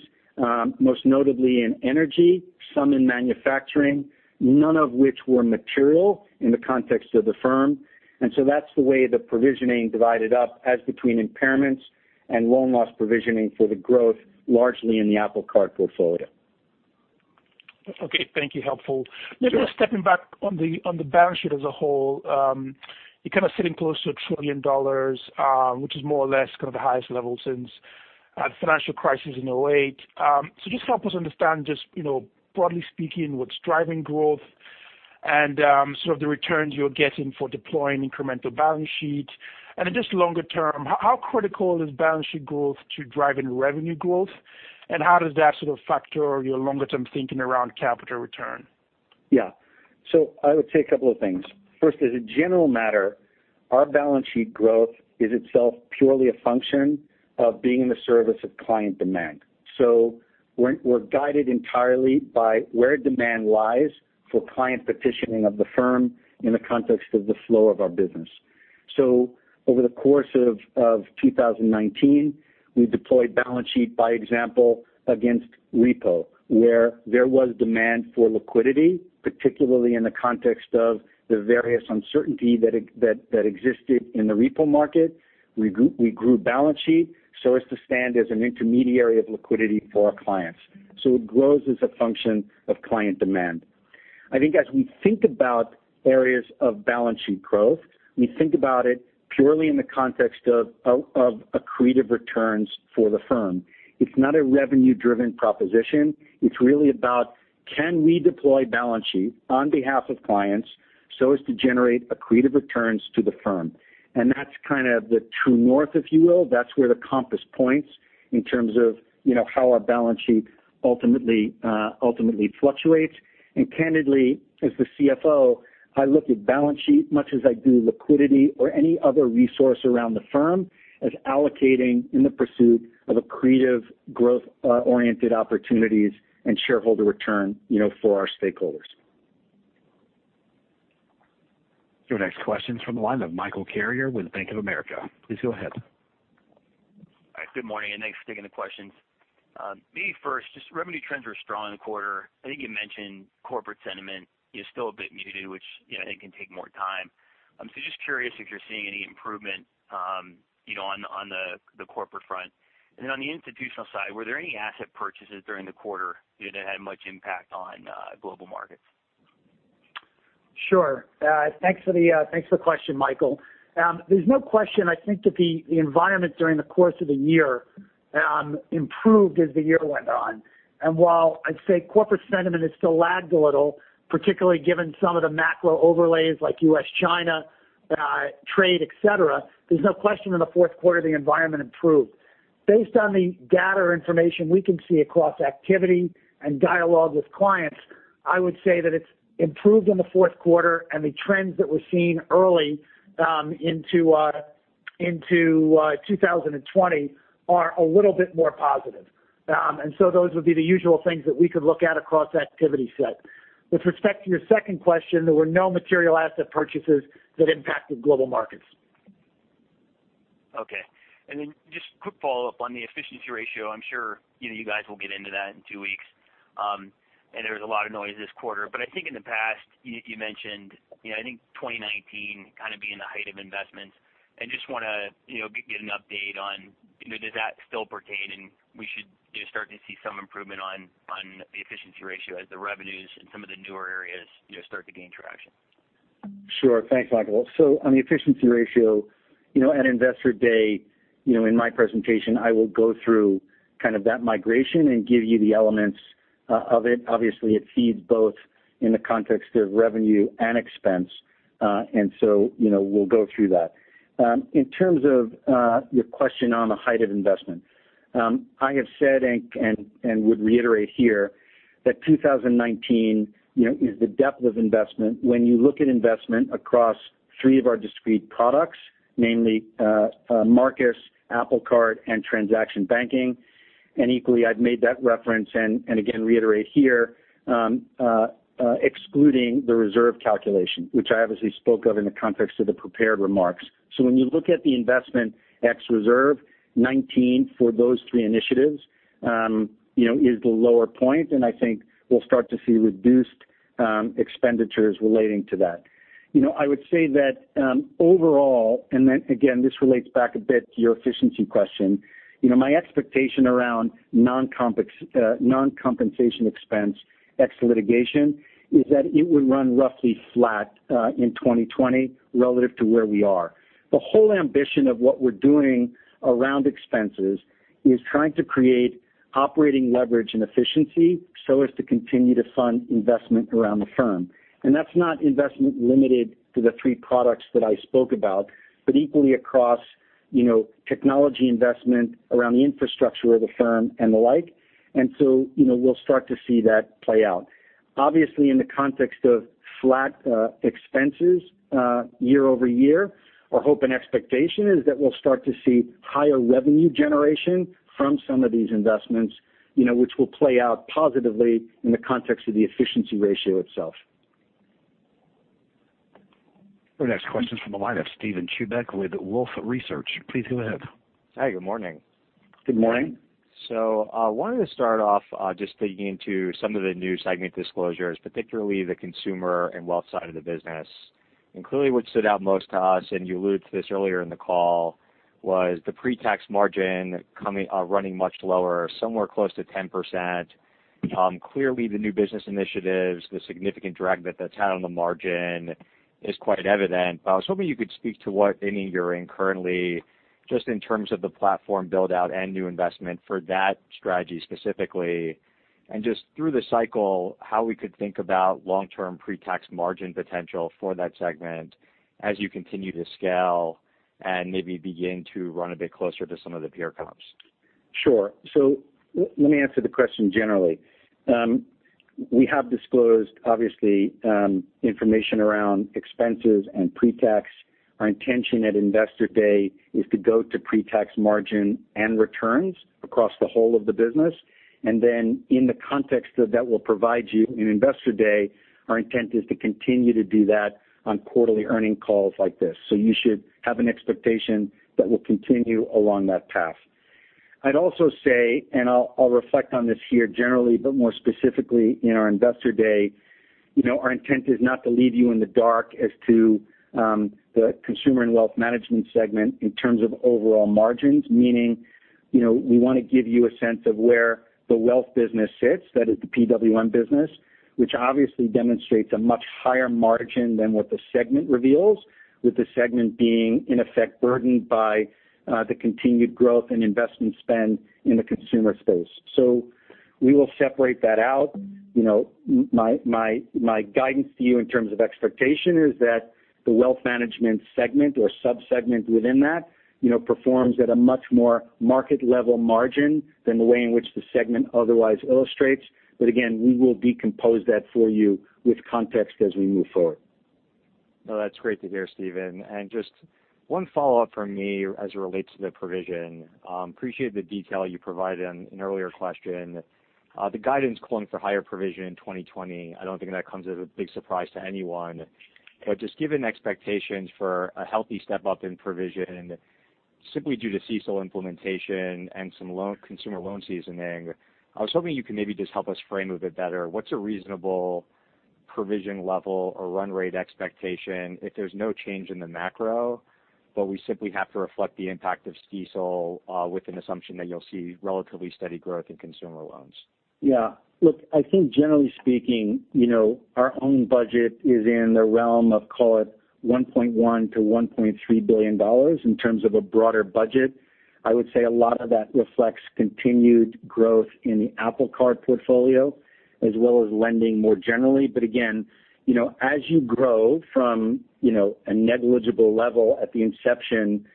Speaker 4: Most notably in energy, some in manufacturing, none of which were material in the context of the firm. That's the way the provisioning divided up as between impairments and loan loss provisioning for the growth, largely in the Apple Card portfolio.
Speaker 6: Okay. Thank you. Helpful.
Speaker 4: Sure.
Speaker 6: Maybe just stepping back on the balance sheet as a whole. You're kind of sitting close to $1 trillion, which is more or less kind of the highest level since the financial crisis in 2008. Just help us understand, just broadly speaking, what's driving growth and sort of the returns you're getting for deploying incremental balance sheet. Just longer term, how critical is balance sheet growth to driving revenue growth, and how does that sort of factor your longer-term thinking around capital return?
Speaker 4: I would say a couple of things. First, as a general matter, our balance sheet growth is itself purely a function of being in the service of client demand. We're guided entirely by where demand lies for client petitioning of the firm in the context of the flow of our business. Over the course of 2019, we deployed balance sheet, by example, against repo, where there was demand for liquidity, particularly in the context of the various uncertainty that existed in the repo market. We grew balance sheet so as to stand as an intermediary of liquidity for our clients. It grows as a function of client demand. I think as we think about areas of balance sheet growth, we think about it purely in the context of accretive returns for the firm. It's not a revenue-driven proposition. It's really about can we deploy balance sheet on behalf of clients so as to generate accretive returns to the firm. That's kind of the true north, if you will. That's where the compass points in terms of how our balance sheet ultimately fluctuates. Candidly, as the CFO, I look at balance sheet much as I do liquidity or any other resource around the firm as allocating in the pursuit of accretive growth-oriented opportunities and shareholder return for our stakeholders.
Speaker 1: Your next question's from the line of Michael Carrier with Bank of America. Please go ahead.
Speaker 7: All right. Good morning, and thanks for taking the questions. Maybe first, just revenue trends were strong in the quarter. I think you mentioned corporate sentiment is still a bit muted, which I think can take more time. Just curious if you're seeing any improvement on the corporate front. On the institutional side, were there any asset purchases during the quarter that had much impact on global markets?
Speaker 4: Sure. Thanks for the question, Michael. There's no question I think that the environment during the course of the year improved as the year went on. While I'd say corporate sentiment is still lagged a little, particularly given some of the macro overlays like U.S.-China trade, et cetera, there's no question in the fourth quarter the environment improved. Based on the data information we can see across activity and dialogue with clients, I would say that it's improved in the fourth quarter, the trends that we're seeing early into 2020 are a little bit more positive. Those would be the usual things that we could look at across activity set. With respect to your second question, there were no material asset purchases that impacted global markets.
Speaker 7: Okay. Just quick follow-up on the efficiency ratio. I'm sure you guys will get into that in two weeks. There was a lot of noise this quarter, but I think in the past, you mentioned I think 2019 kind of being the height of investments, and just want to get an update on does that still pertain and we should start to see some improvement on the efficiency ratio as the revenues in some of the newer areas start to gain traction.
Speaker 4: Sure. Thanks, Michael. On the efficiency ratio, at Investor Day, in my presentation, I will go through kind of that migration and give you the elements of it. Obviously, it feeds both in the context of revenue and expense. We'll go through that. In terms of your question on the height of investment. I have said and would reiterate here that 2019 is the depth of investment when you look at investment across three of our discrete products, namely Marcus, Apple Card, and Transaction Banking. Equally, I've made that reference and again reiterate here, excluding the reserve calculation, which I obviously spoke of in the context of the prepared remarks. When you look at the investment ex reserve, 2019 for those three initiatives is the lower point, and I think we'll start to see reduced expenditures relating to that. I would say that overall, and then again, this relates back a bit to your efficiency question. My expectation around non-compensation expense ex litigation is that it would run roughly flat in 2020 relative to where we are. The whole ambition of what we're doing around expenses is trying to create operating leverage and efficiency so as to continue to fund investment around the firm. That's not investment limited to the three products that I spoke about, but equally across technology investment around the infrastructure of the firm and the like. We'll start to see that play out. Obviously, in the context of flat expenses year-over-year, our hope and expectation is that we'll start to see higher revenue generation from some of these investments which will play out positively in the context of the efficiency ratio itself.
Speaker 1: Our next question's from the line of Steven Chubak with Wolfe Research. Please go ahead.
Speaker 8: Hi, good morning.
Speaker 4: Good morning.
Speaker 8: I wanted to start off just digging into some of the new segment disclosures, particularly the Consumer & Wealth side of the business. Clearly what stood out most to us, and you alluded to this earlier in the call, was the pre-tax margin running much lower, somewhere close to 10%. Clearly the new business initiatives, the significant drag that that's had on the margin is quite evident. I was hoping you could speak to what inning you're in currently, just in terms of the platform build-out and new investment for that strategy specifically. Just through the cycle, how we could think about long-term pre-tax margin potential for that segment as you continue to scale and maybe begin to run a bit closer to some of the peer comps.
Speaker 4: Sure. Let me answer the question generally. We have disclosed, obviously, information around expenses and pre-tax. Our intention at Investor Day is to go to pre-tax margin and returns across the whole of the business. Then in the context that that will provide you in Investor Day, our intent is to continue to do that on quarterly earning calls like this. You should have an expectation that we'll continue along that path. I'd also say, I'll reflect on this here generally, but more specifically in our Investor Day, our intent is not to leave you in the dark as to the Consumer and Wealth Management segment in terms of overall margins. Meaning, we want to give you a sense of where the wealth business sits, that is the PWM business. Which obviously demonstrates a much higher margin than what the segment reveals, with the segment being, in effect, burdened by the continued growth in investment spend in the consumer space. We will separate that out. My guidance to you in terms of expectation is that the wealth management segment or sub-segment within that performs at a much more market-level margin than the way in which the segment otherwise illustrates. Again, we will decompose that for you with context as we move forward.
Speaker 8: No, that's great to hear, Stephen. Just one follow-up from me as it relates to the provision. Appreciate the detail you provided in an earlier question. The guidance calling for higher provision in 2020, I don't think that comes as a big surprise to anyone. Just given expectations for a healthy step-up in provision, simply due to CECL implementation and some consumer loan seasoning, I was hoping you could maybe just help us frame a bit better, what's a reasonable provision level or run rate expectation if there's no change in the macro, but we simply have to reflect the impact of CECL with an assumption that you'll see relatively steady growth in consumer loans?
Speaker 4: Look, I think generally speaking, our own budget is in the realm of $1.1 billion-$1.3 billion in terms of a broader budget. I would say a lot of that reflects continued growth in the Apple Card portfolio, as well as lending more generally. Again, as you grow from a negligible level at the inception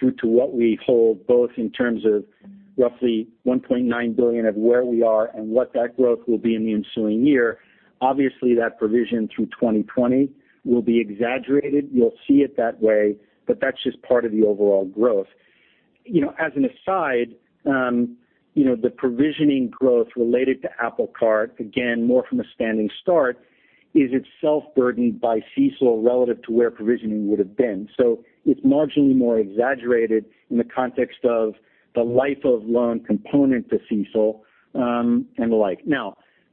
Speaker 4: through to what we hold both in terms of roughly $1.9 billion of where we are and what that growth will be in the ensuing year, obviously that provision through 2020 will be exaggerated. You'll see it that way, that's just part of the overall growth. As an aside, the provisioning growth related to Apple Card, again, more from a standing start, is itself burdened by CECL relative to where provisioning would've been. It's marginally more exaggerated in the context of the life of loan component to CECL, and the like.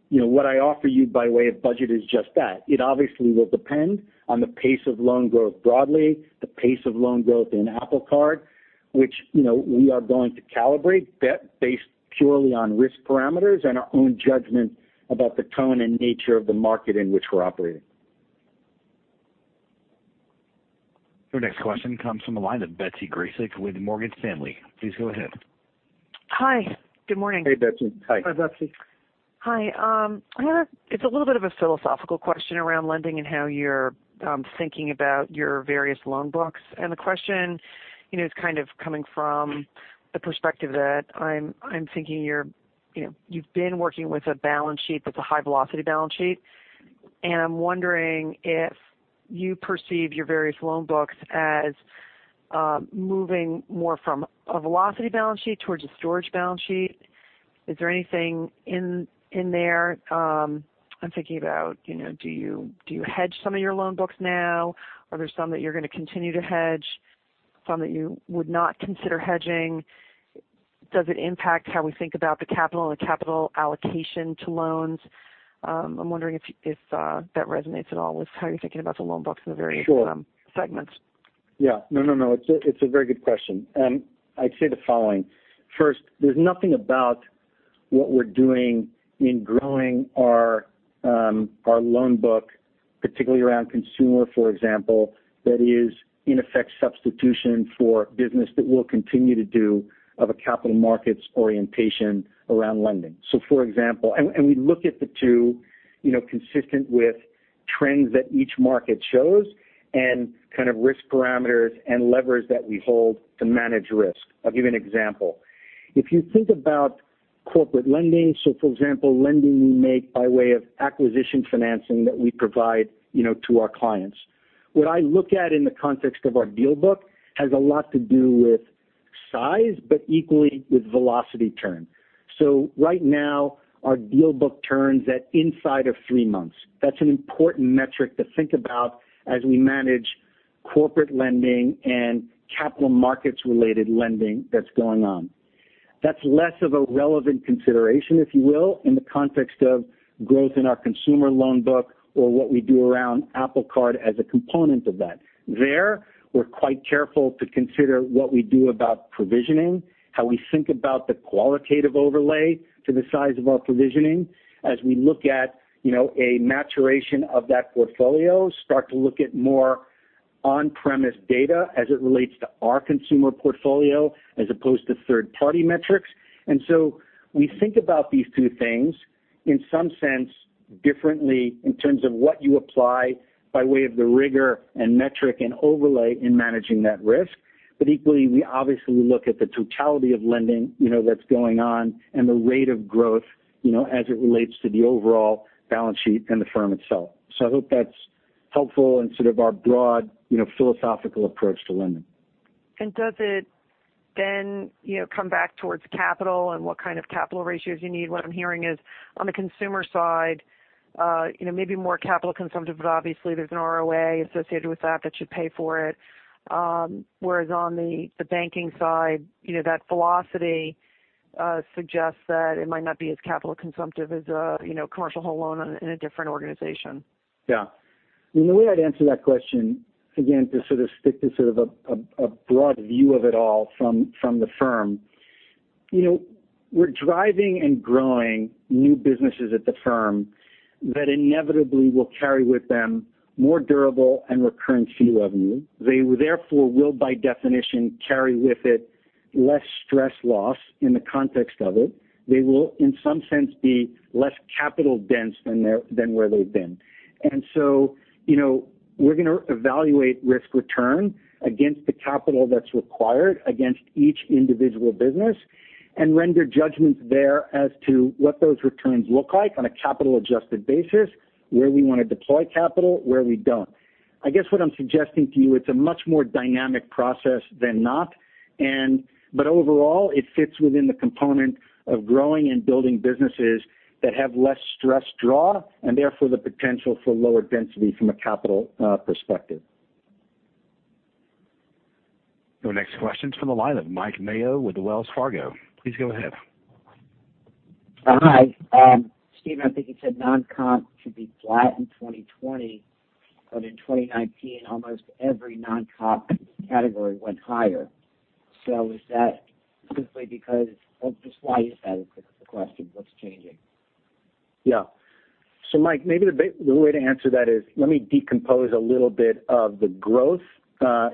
Speaker 4: What I offer you by way of budget is just that. It obviously will depend on the pace of loan growth broadly, the pace of loan growth in Apple Card. Which we are going to calibrate based purely on risk parameters and our own judgment about the tone and nature of the market in which we're operating.
Speaker 1: Your next question comes from the line of Betsy Graseck with Morgan Stanley. Please go ahead.
Speaker 9: Hi, good morning.
Speaker 4: Hey, Betsy. Hi.
Speaker 3: Hi, Betsy.
Speaker 9: Hi. It's a little bit of a philosophical question around lending and how you're thinking about your various loan books. The question is kind of coming from the perspective that I'm thinking you've been working with a balance sheet that's a high-velocity balance sheet. I'm wondering if you perceive your various loan books as moving more from a velocity balance sheet towards a storage balance sheet. Is there anything in there? I'm thinking about do you hedge some of your loan books now? Are there some that you're going to continue to hedge, some that you would not consider hedging? Does it impact how we think about the capital and the capital allocation to loans? I'm wondering if that resonates at all with how you're thinking about the loan books in the various segments.
Speaker 4: Sure. Yeah. No. It's a very good question. I'd say the following. First, there's nothing about what we're doing in growing our loan book, particularly around consumer, for example, that is, in effect, substitution for business that we'll continue to do of a capital markets orientation around lending. We look at the two consistent with trends that each market shows and kind of risk parameters and levers that we hold to manage risk. I'll give you an example. If you think about corporate lending, so for example, lending we make by way of acquisition financing that we provide to our clients. What I look at in the context of our deal book has a lot to do with size, but equally with velocity turn. Right now, our deal book turns at inside of three months. That's an important metric to think about as we manage corporate lending and capital markets-related lending that's going on. That's less of a relevant consideration, if you will, in the context of growth in our consumer loan book or what we do around Apple Card as a component of that. There, we're quite careful to consider what we do about provisioning, how we think about the qualitative overlay to the size of our provisioning as we look at a maturation of that portfolio, start to look at more on-premise data as it relates to our consumer portfolio as opposed to third-party metrics. We think about these two things, in some sense, differently in terms of what you apply by way of the rigor and metric and overlay in managing that risk. Equally, we obviously look at the totality of lending that's going on and the rate of growth as it relates to the overall balance sheet and the firm itself. I hope that's helpful in sort of our broad philosophical approach to lending.
Speaker 9: Does it then come back towards capital and what kind of capital ratios you need? What I'm hearing is, on the consumer side maybe more capital consumptive, but obviously there's an ROA associated with that that should pay for it. Whereas on the banking side, that velocity suggests that it might not be as capital consumptive as a commercial whole loan in a different organization.
Speaker 4: Yeah. The way I'd answer that question, again, to sort of stick to sort of a broad view of it all from the firm. We're driving and growing new businesses at the firm that inevitably will carry with them more durable and recurring fee revenue. They therefore will, by definition, carry with it less stress loss in the context of it. They will, in some sense, be less capital dense than where they've been. We're going to evaluate risk return against the capital that's required against each individual business and render judgments there as to what those returns look like on a capital-adjusted basis, where we want to deploy capital, where we don't. I guess what I'm suggesting to you, it's a much more dynamic process than not. Overall, it fits within the component of growing and building businesses that have less stress draw and therefore the potential for lower density from a capital perspective.
Speaker 1: Your next question's from the line of Mike Mayo with Wells Fargo. Please go ahead.
Speaker 10: Hi. Stephen, I think you said non-comp should be flat in 2020, but in 2019, almost every non-comp category went higher. Why is that, is the question. What's changing?
Speaker 4: Yeah. Mike, maybe the way to answer that is let me decompose a little bit of the growth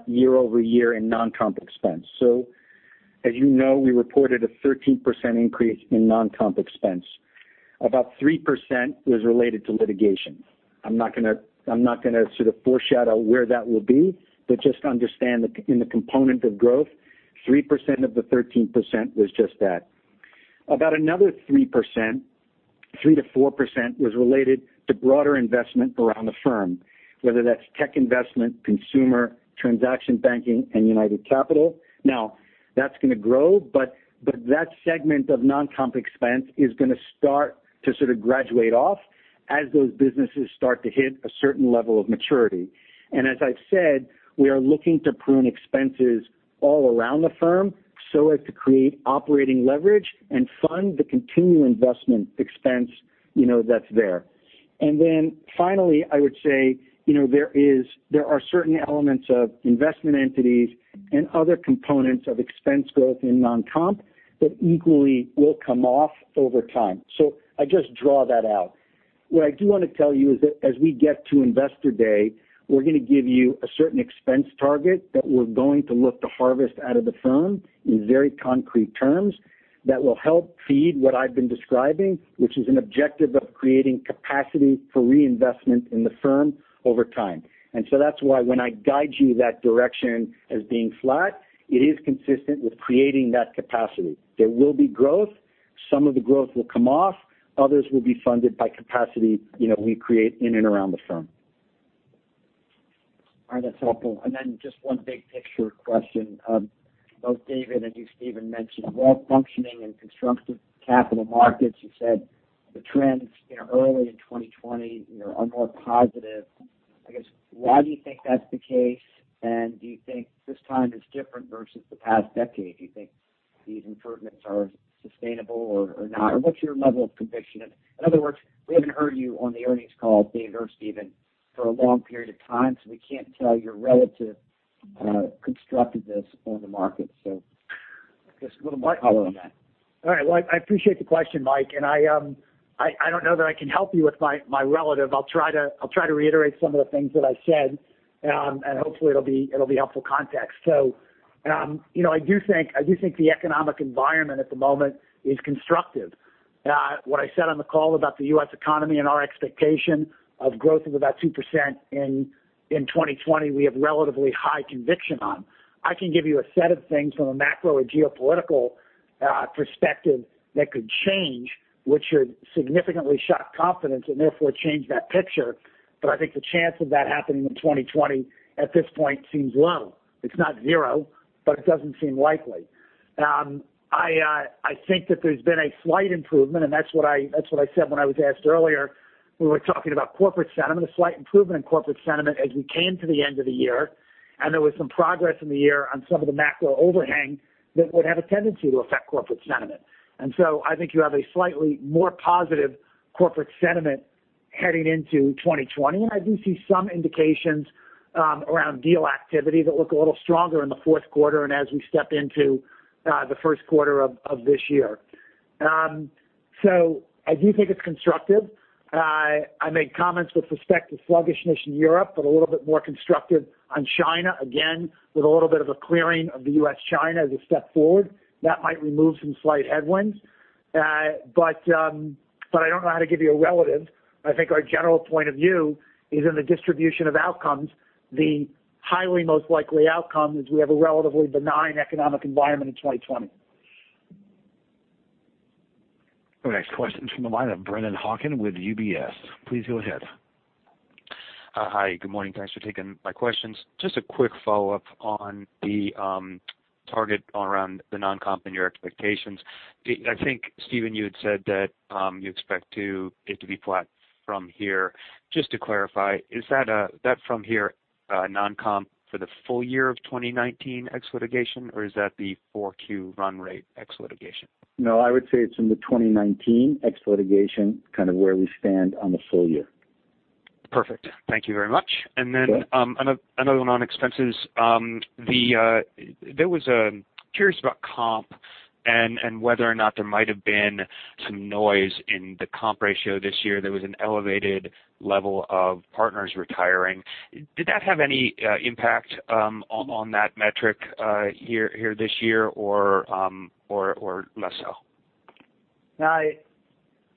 Speaker 4: year-over-year in non-comp expense. As you know, we reported a 13% increase in non-comp expense. About 3% was related to litigation. I'm not going to sort of foreshadow where that will be, but just understand that in the component of growth, 3% of the 13% was just that. About another 3%-4% was related to broader investment around the firm, whether that's tech investment, consumer, transaction banking, and United Capital. That's going to grow, but that segment of non-comp expense is going to start to sort of graduate off as those businesses start to hit a certain level of maturity. As I've said, we are looking to prune expenses all around the firm so as to create operating leverage and fund the continuing investment expense that's there. Then finally, I would say there are certain elements of investment entities and other components of expense growth in non-comp that equally will come off over time. I just draw that out. What I do want to tell you is that as we get to Investor Day, we're going to give you a certain expense target that we're going to look to harvest out of the firm in very concrete terms that will help feed what I've been describing, which is an objective of creating capacity for reinvestment in the firm over time. That's why when I guide you that direction as being flat, it is consistent with creating that capacity. There will be growth. Some of the growth will come off, others will be funded by capacity we create in and around the firm.
Speaker 10: All right. That's helpful. Just one big picture question. Both David and you, Stephen, mentioned well-functioning and constructive capital markets. You said the trends early in 2020 are more positive. Why do you think that's the case? Do you think this time is different versus the past decade? Do you think these improvements are sustainable or not? What's your level of conviction? In other words, we haven't heard you on the earnings call, Dave or Stephen, for a long period of time, so we can't tell your relative constructiveness on the market. I guess a little more color on that.
Speaker 3: I appreciate the question, Mike, and I don't know that I can help you with my relative. I'll try to reiterate some of the things that I said, and hopefully it'll be helpful context. I do think the economic environment at the moment is constructive. What I said on the call about the U.S. economy and our expectation of growth of about 2% in 2020, we have relatively high conviction on. I can give you a set of things from a macro or geopolitical perspective that could change, which would significantly shock confidence and therefore change that picture. I think the chance of that happening in 2020 at this point seems low. It's not zero, but it doesn't seem likely. I think that there's been a slight improvement, and that's what I said when I was asked earlier when we were talking about corporate sentiment, a slight improvement in corporate sentiment as we came to the end of the year, and there was some progress in the year on some of the macro overhang that would have a tendency to affect corporate sentiment. I think you have a slightly more positive corporate sentiment. Heading into 2020, I do see some indications around deal activity that look a little stronger in the fourth quarter and as we step into the first quarter of this year. I do think it's constructive. I made comments with respect to sluggishness in Europe, but a little bit more constructive on China, again, with a little bit of a clearing of the U.S., China as a step forward. That might remove some slight headwinds. I don't know how to give you a relative. I think our general point of view is in the distribution of outcomes. The highly most likely outcome is we have a relatively benign economic environment in 2020.
Speaker 1: Our next question's from the line of Brennan Hawken with UBS. Please go ahead.
Speaker 11: Hi. Good morning. Thanks for taking my questions. Just a quick follow-up on the target around the non-comp and your expectations. I think, Stephen, you had said that you expect it to be flat from here. Just to clarify, is that from here non-comp for the full year of 2019 ex litigation, or is that the 4Q run rate ex litigation?
Speaker 4: No, I would say it's in the 2019 ex litigation, kind of where we stand on the full year.
Speaker 11: Perfect. Thank you very much.
Speaker 4: Sure.
Speaker 11: Another one on expenses. Curious about comp and whether or not there might have been some noise in the comp ratio this year. There was an elevated level of partners retiring. Did that have any impact on that metric here this year or less so?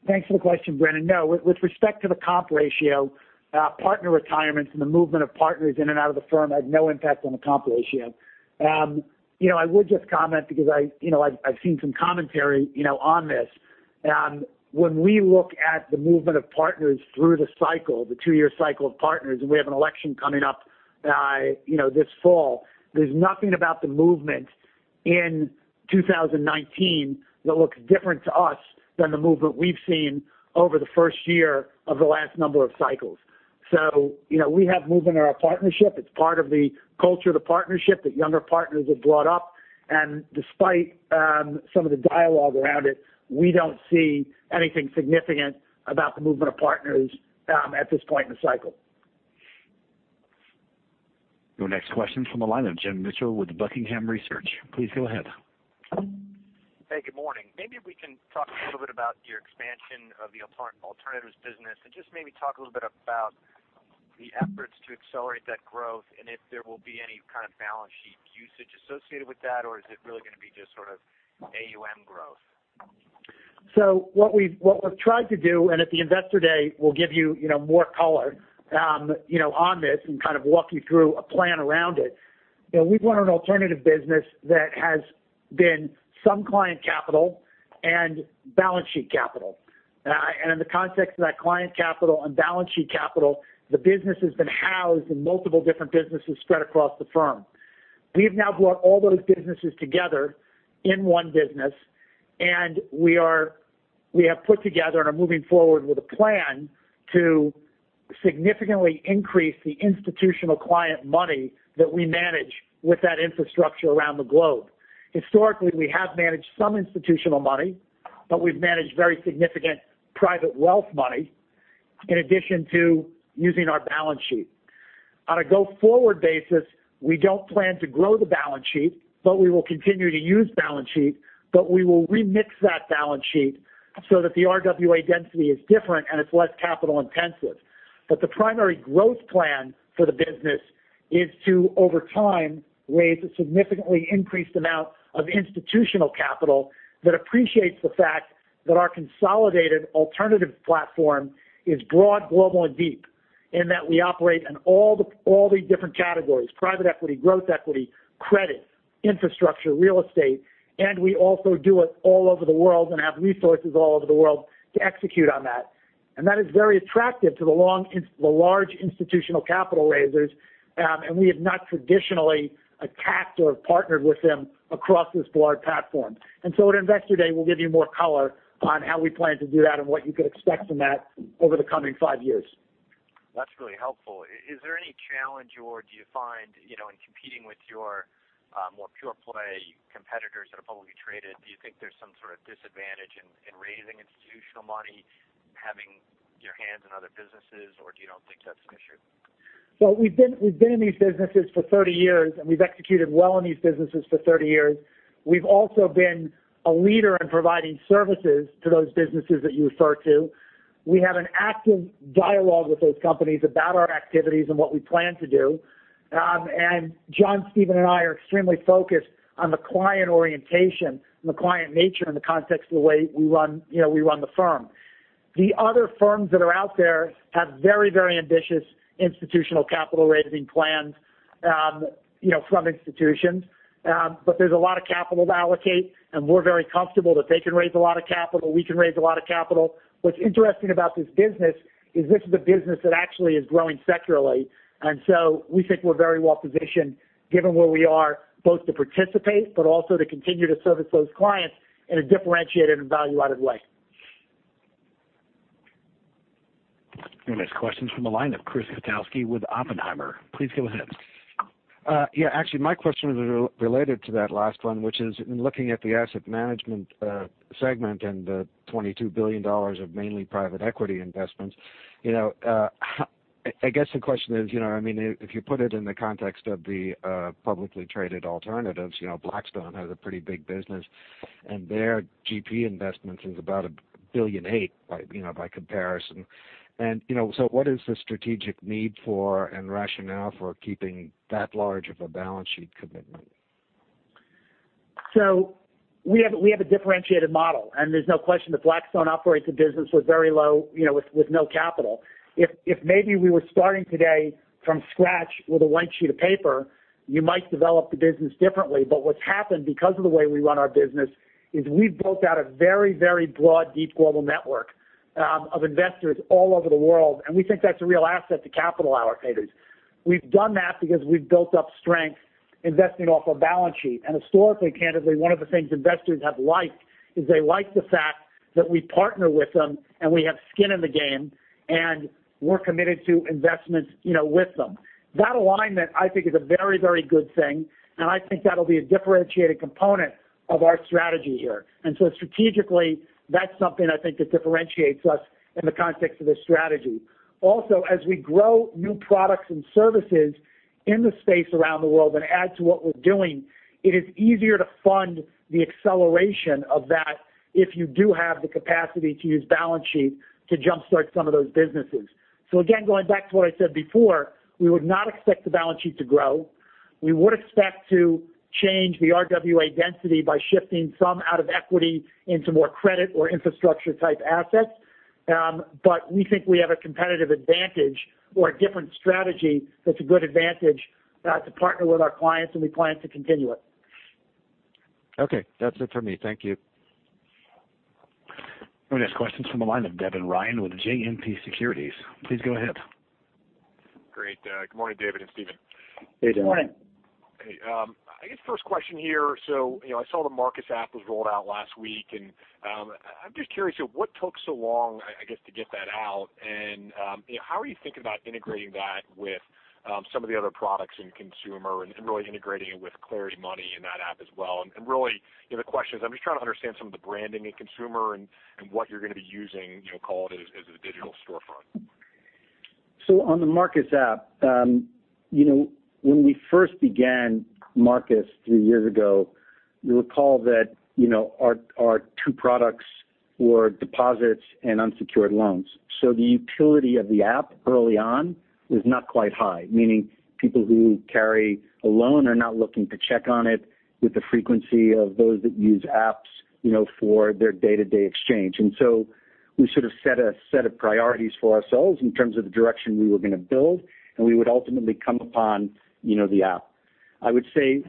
Speaker 3: Thanks for the question, Brennan. No. With respect to the comp ratio, partner retirements and the movement of partners in and out of the firm had no impact on the comp ratio. I would just comment because I've seen some commentary on this. When we look at the movement of partners through the cycle, the two-year cycle of partners, and we have an election coming up this fall, there's nothing about the movement in 2019 that looks different to us than the movement we've seen over the first year of the last number of cycles. We have movement in our partnership. It's part of the culture of the partnership that younger partners have brought up. Despite some of the dialogue around it, we don't see anything significant about the movement of partners at this point in the cycle.
Speaker 1: Your next question's from the line of Jim Mitchell with Buckingham Research. Please go ahead.
Speaker 12: Hey, good morning. Maybe if we can talk a little bit about your expansion of the alternatives business and just maybe talk a little bit about the efforts to accelerate that growth and if there will be any kind of balance sheet usage associated with that, or is it really going to be just sort of AUM growth?
Speaker 3: What we've tried to do, and at the Investor Day, we'll give you more color on this and kind of walk you through a plan around it. We've run an alternative business that has been some client capital and balance sheet capital. In the context of that client capital and balance sheet capital, the business has been housed in multiple different businesses spread across the firm. We've now brought all those businesses together in one business, and we have put together and are moving forward with a plan to significantly increase the institutional client money that we manage with that infrastructure around the globe. Historically, we have managed some institutional money, but we've managed very significant private wealth money in addition to using our balance sheet. On a go-forward basis, we don't plan to grow the balance sheet, but we will continue to use balance sheet, but we will remix that balance sheet so that the RWA density is different and it's less capital-intensive. The primary growth plan for the business is to, over time, raise a significantly increased amount of institutional capital that appreciates the fact that our consolidated alternative platform is broad, global, and deep in that we operate in all these different categories, private equity, growth equity, credit, infrastructure, real estate, and we also do it all over the world and have resources all over the world to execute on that. That is very attractive to the large institutional capital raisers, and we have not traditionally attacked or partnered with them across this broad platform. At Investor Day, we'll give you more color on how we plan to do that and what you could expect from that over the coming five years.
Speaker 12: That's really helpful. Is there any challenge, or do you find in competing with your more pure-play competitors that are publicly traded, do you think there's some sort of disadvantage in raising institutional money, having your hands in other businesses, or do you don't think that's an issue?
Speaker 3: We've been in these businesses for 30 years, and we've executed well in these businesses for 30 years. We've also been a leader in providing services to those businesses that you refer to. We have an active dialogue with those companies about our activities and what we plan to do. John, Stephen, and I are extremely focused on the client orientation and the client nature in the context of the way we run the firm. The other firms that are out there have very ambitious institutional capital raising plans from institutions. There's a lot of capital to allocate, and we're very comfortable that they can raise a lot of capital. We can raise a lot of capital. What's interesting about this business is this is a business that actually is growing secularly. We think we're very well positioned given where we are both to participate, but also to continue to service those clients in a differentiated and value-added way.
Speaker 1: Your next question's from the line of Chris Kotowski with Oppenheimer. Please go ahead.
Speaker 13: Yeah. Actually, my question was related to that last one, which is in looking at the Asset Management segment and the $22 billion of mainly private equity investments. I guess the question is, if you put it in the context of the publicly traded alternatives, Blackstone has a pretty big business and their GP investments is about $1.8 billion by comparison. What is the strategic need for and rationale for keeping that large of a balance sheet commitment?
Speaker 3: We have a differentiated model, and there's no question that Blackstone operates a business with no capital. If maybe we were starting today from scratch with a white sheet of paper, you might develop the business differently. What's happened because of the way we run our business is we've built out a very broad, deep global network of investors all over the world, and we think that's a real asset to capital allocators. We've done that because we've built up strength investing off our balance sheet. Historically, candidly, one of the things investors have liked is they like the fact that we partner with them and we have skin in the game, and we're committed to investments with them. That alignment, I think is a very good thing, and I think that'll be a differentiated component of our strategy here. Strategically, that's something I think that differentiates us in the context of this strategy. As we grow new products and services in the space around the world and add to what we're doing, it is easier to fund the acceleration of that if you do have the capacity to use balance sheet to jumpstart some of those businesses. Again, going back to what I said before, we would not expect the balance sheet to grow. We would expect to change the RWA density by shifting some out of equity into more credit or infrastructure type assets. We think we have a competitive advantage or a different strategy that's a good advantage to partner with our clients, and we plan to continue it.
Speaker 13: Okay. That's it for me. Thank you.
Speaker 1: We next questions from the line of Devin Ryan with JMP Securities. Please go ahead.
Speaker 14: Great. Good morning, David and Stephen.
Speaker 3: Good morning.
Speaker 4: Hey, Devin.
Speaker 14: Hey. I guess first question here. I saw the Marcus app was rolled out last week, and I'm just curious, what took so long, I guess, to get that out? How are you thinking about integrating that with some of the other products in consumer and really integrating it with Clarity Money and that app as well? Really the question is, I'm just trying to understand some of the branding in consumer and what you're going to be using, call it as a digital storefront.
Speaker 3: On the Marcus app, when we first began Marcus three years ago, you'll recall that our two products were deposits and unsecured loans. The utility of the app early on was not quite high, meaning people who carry a loan are not looking to check on it with the frequency of those that use apps for their day-to-day exchange. We sort of set a set of priorities for ourselves in terms of the direction we were going to build, and we would ultimately come upon the app. I would say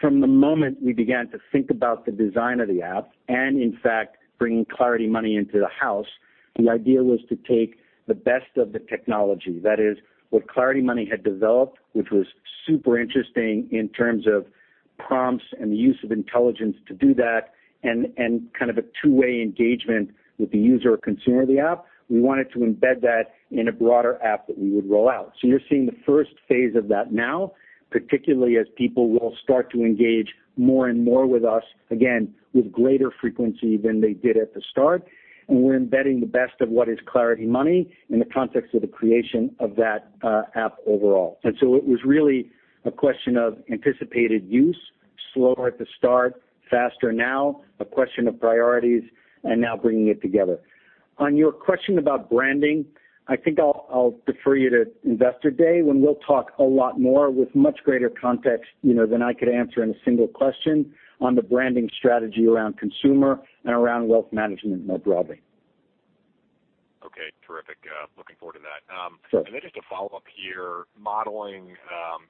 Speaker 3: from the moment we began to think about the design of the app and in fact bringing Clarity Money into the house, the idea was to take the best of the technology. That is what Clarity Money had developed, which was super interesting in terms of prompts and the use of intelligence to do that and kind of a two-way engagement with the user or consumer of the app. We wanted to embed that in a broader app that we would roll out. You're seeing the first phase of that now, particularly as people will start to engage more and more with us, again, with greater frequency than they did at the start. We're embedding the best of what is Clarity Money in the context of the creation of that app overall. It was really a question of anticipated use, slower at the start, faster now, a question of priorities, and now bringing it together. On your question about branding, I think I'll defer you to Investor Day when we'll talk a lot more with much greater context than I could answer in a single question on the branding strategy around consumer and around wealth management more broadly.
Speaker 14: Okay, terrific. Looking forward to that.
Speaker 3: Sure.
Speaker 14: Just a follow-up here, modeling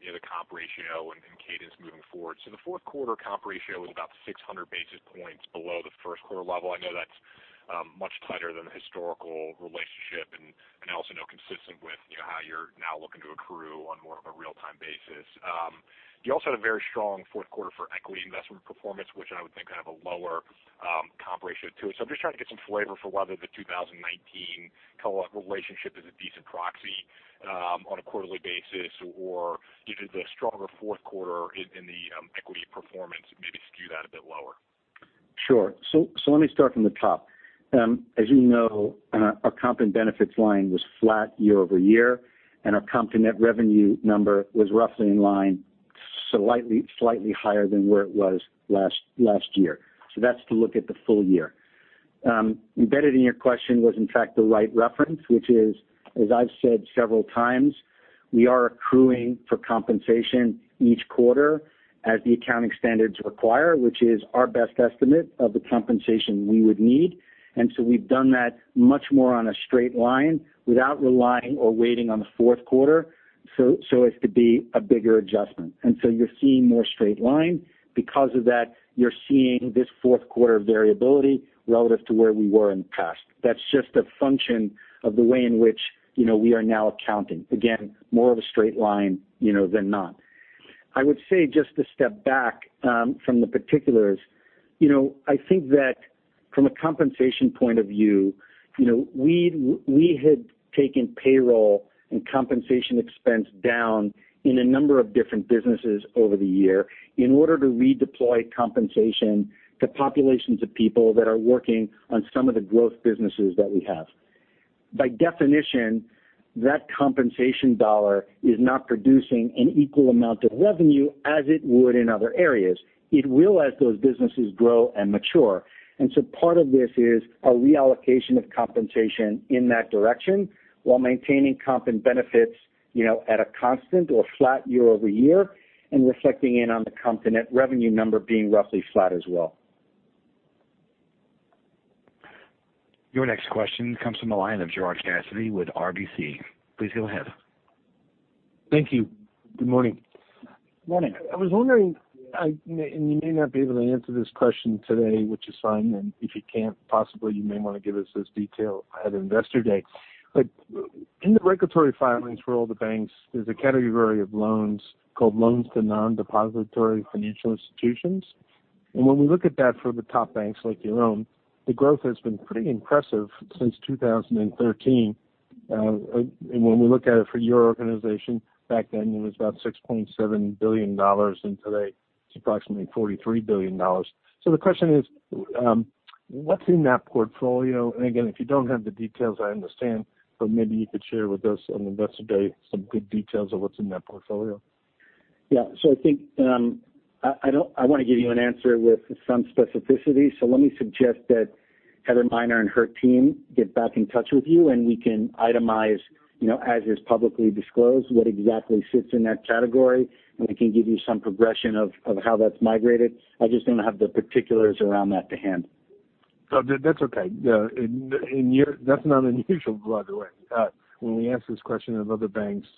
Speaker 14: the comp ratio and cadence moving forward. The fourth quarter comp ratio was about 600 basis points below the first quarter level. I know that's much tighter than the historical relationship, and I also know consistent with how you're now looking to accrue on more of a real-time basis. You also had a very strong fourth quarter for equity investment performance, which I would think kind of a lower comp ratio to it. I'm just trying to get some flavor for whether the 2019 relationship is a decent proxy on a quarterly basis, or did the stronger fourth quarter in the equity performance maybe skew that a bit lower?
Speaker 4: Sure. Let me start from the top. As you know, our comp and benefits line was flat year-over-year, and our comp to net revenue number was roughly in line slightly higher than where it was last year. That's to look at the full year. Embedded in your question was in fact the right reference, which is, as I've said several times, we are accruing for compensation each quarter as the accounting standards require, which is our best estimate of the compensation we would need. We've done that much more on a straight line without relying or waiting on the fourth quarter so as to be a bigger adjustment. You're seeing more straight line because of that you're seeing this fourth quarter variability relative to where we were in the past.
Speaker 3: That's just a function of the way in which we are now accounting. Again, more of a straight line than not. I would say just to step back from the particulars. From a compensation point of view, we had taken payroll and compensation expense down in a number of different businesses over the year in order to redeploy compensation to populations of people that are working on some of the growth businesses that we have. By definition, that compensation dollar is not producing an equal amount of revenue as it would in other areas. It will as those businesses grow and mature. Part of this is a reallocation of compensation in that direction while maintaining comp and benefits at a constant or flat year-over-year and reflecting in on the comp and net revenue number being roughly flat as well.
Speaker 1: Your next question comes from the line of Gerard Cassidy with RBC. Please go ahead.
Speaker 15: Thank you. Good morning.
Speaker 3: Morning.
Speaker 15: I was wondering, and you may not be able to answer this question today, which is fine, and if you can't, possibly you may want to give us this detail at Investor Day. In the regulatory filings for all the banks, there's a category of loans called loans to non-depository financial institutions. When we look at that for the top banks like your own, the growth has been pretty impressive since 2013. When we look at it for your organization, back then it was about $6.7 billion, and today it's approximately $43 billion. The question is, what's in that portfolio? Again, if you don't have the details, I understand, but maybe you could share with us on Investor Day some good details of what's in that portfolio.
Speaker 4: I think I want to give you an answer with some specificity. Let me suggest that Heather Miner and her team get back in touch with you, and we can itemize, as is publicly disclosed, what exactly sits in that category, and we can give you some progression of how that's migrated. I just don't have the particulars around that to hand.
Speaker 15: No, that's okay. That's not unusual, by the way. When we ask this question of other banks,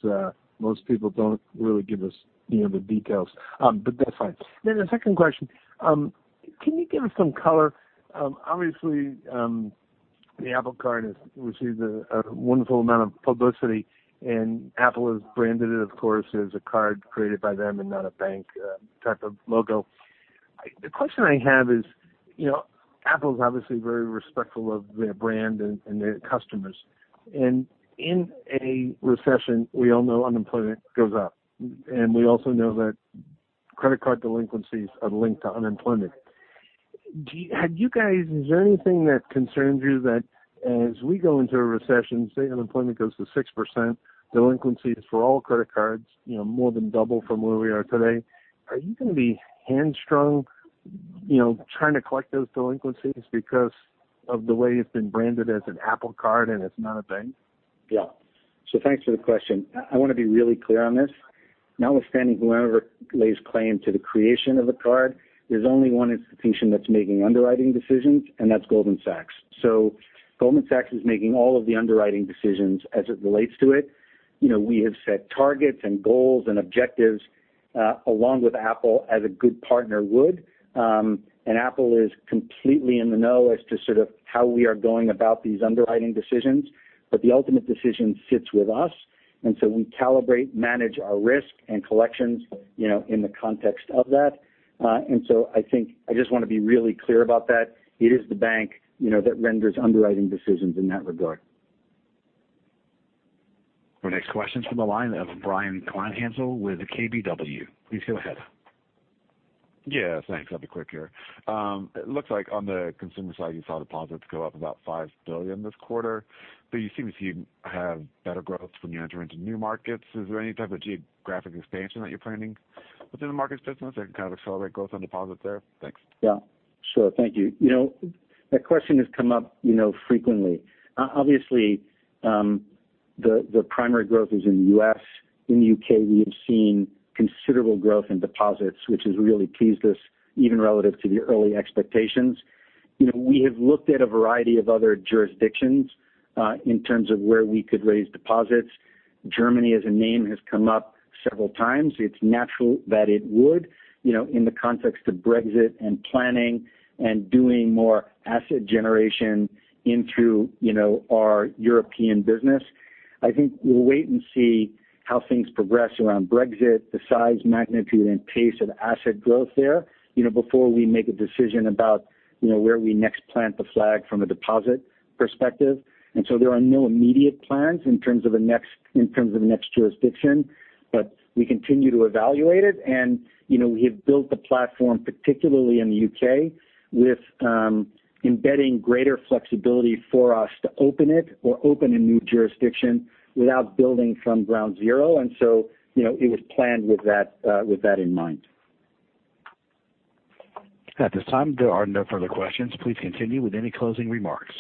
Speaker 15: most people don't really give us the details. That's fine. The second question, can you give us some color? Obviously, the Apple Card receives a wonderful amount of publicity, and Apple has branded it. Of course, it is a card created by them and not a bank type of logo. The question I have is, Apple is obviously very respectful of their brand and their customers. In a recession, we all know unemployment goes up. We also know that credit card delinquencies are linked to unemployment. Have you guys, is there anything that concerns you that as we go into a recession, say unemployment goes to 6%, delinquencies for all credit cards more than double from where we are today? Are you going to be hamstrung trying to collect those delinquencies because of the way it's been branded as an Apple Card and it's not a bank?
Speaker 4: Yeah. Thanks for the question. I want to be really clear on this. Notwithstanding whoever lays claim to the creation of the card, there's only one institution that's making underwriting decisions, and that's Goldman Sachs. Goldman Sachs is making all of the underwriting decisions as it relates to it. We have set targets and goals and objectives along with Apple as a good partner would. Apple is completely in the know as to sort of how we are going about these underwriting decisions. The ultimate decision sits with us, we calibrate, manage our risk and collections in the context of that. I think I just want to be really clear about that. It is the bank that renders underwriting decisions in that regard.
Speaker 1: Our next question's from the line of Brian Kleinhanzl with KBW. Please go ahead.
Speaker 16: Yeah, thanks. I'll be quick here. It looks like on the consumer side, you saw deposits go up about $5 billion this quarter, but you seem to have better growth when you enter into new markets. Is there any type of geographic expansion that you're planning within the markets business that can kind of accelerate growth on deposits there? Thanks.
Speaker 4: Yeah. Sure. Thank you. That question has come up frequently. Obviously, the primary growth is in the U.S. In the U.K., we have seen considerable growth in deposits, which has really pleased us even relative to the early expectations. We have looked at a variety of other jurisdictions in terms of where we could raise deposits. Germany as a name has come up several times. It's natural that it would in the context of Brexit and planning and doing more asset generation into our European business. I think we'll wait and see how things progress around Brexit, the size, magnitude, and pace of asset growth there before we make a decision about where we next plant the flag from a deposit perspective. There are no immediate plans in terms of a next jurisdiction, but we continue to evaluate it. We have built the platform, particularly in the U.K., with embedding greater flexibility for us to open it or open a new jurisdiction without building from ground zero. It was planned with that in mind.
Speaker 1: At this time, there are no further questions. Please continue with any closing remarks.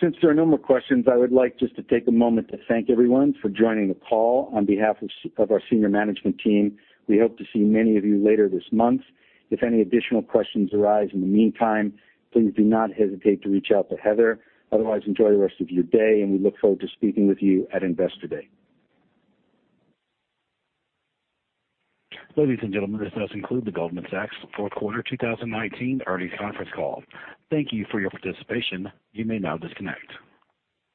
Speaker 4: Since there are no more questions, I would like just to take a moment to thank everyone for joining the call. On behalf of our senior management team, we hope to see many of you later this month. If any additional questions arise in the meantime, please do not hesitate to reach out to Heather. Otherwise, enjoy the rest of your day, and we look forward to speaking with you at Investor Day.
Speaker 1: Ladies and gentlemen, this does conclude the Goldman Sachs fourth quarter 2019 earnings conference call. Thank you for your participation. You may now disconnect.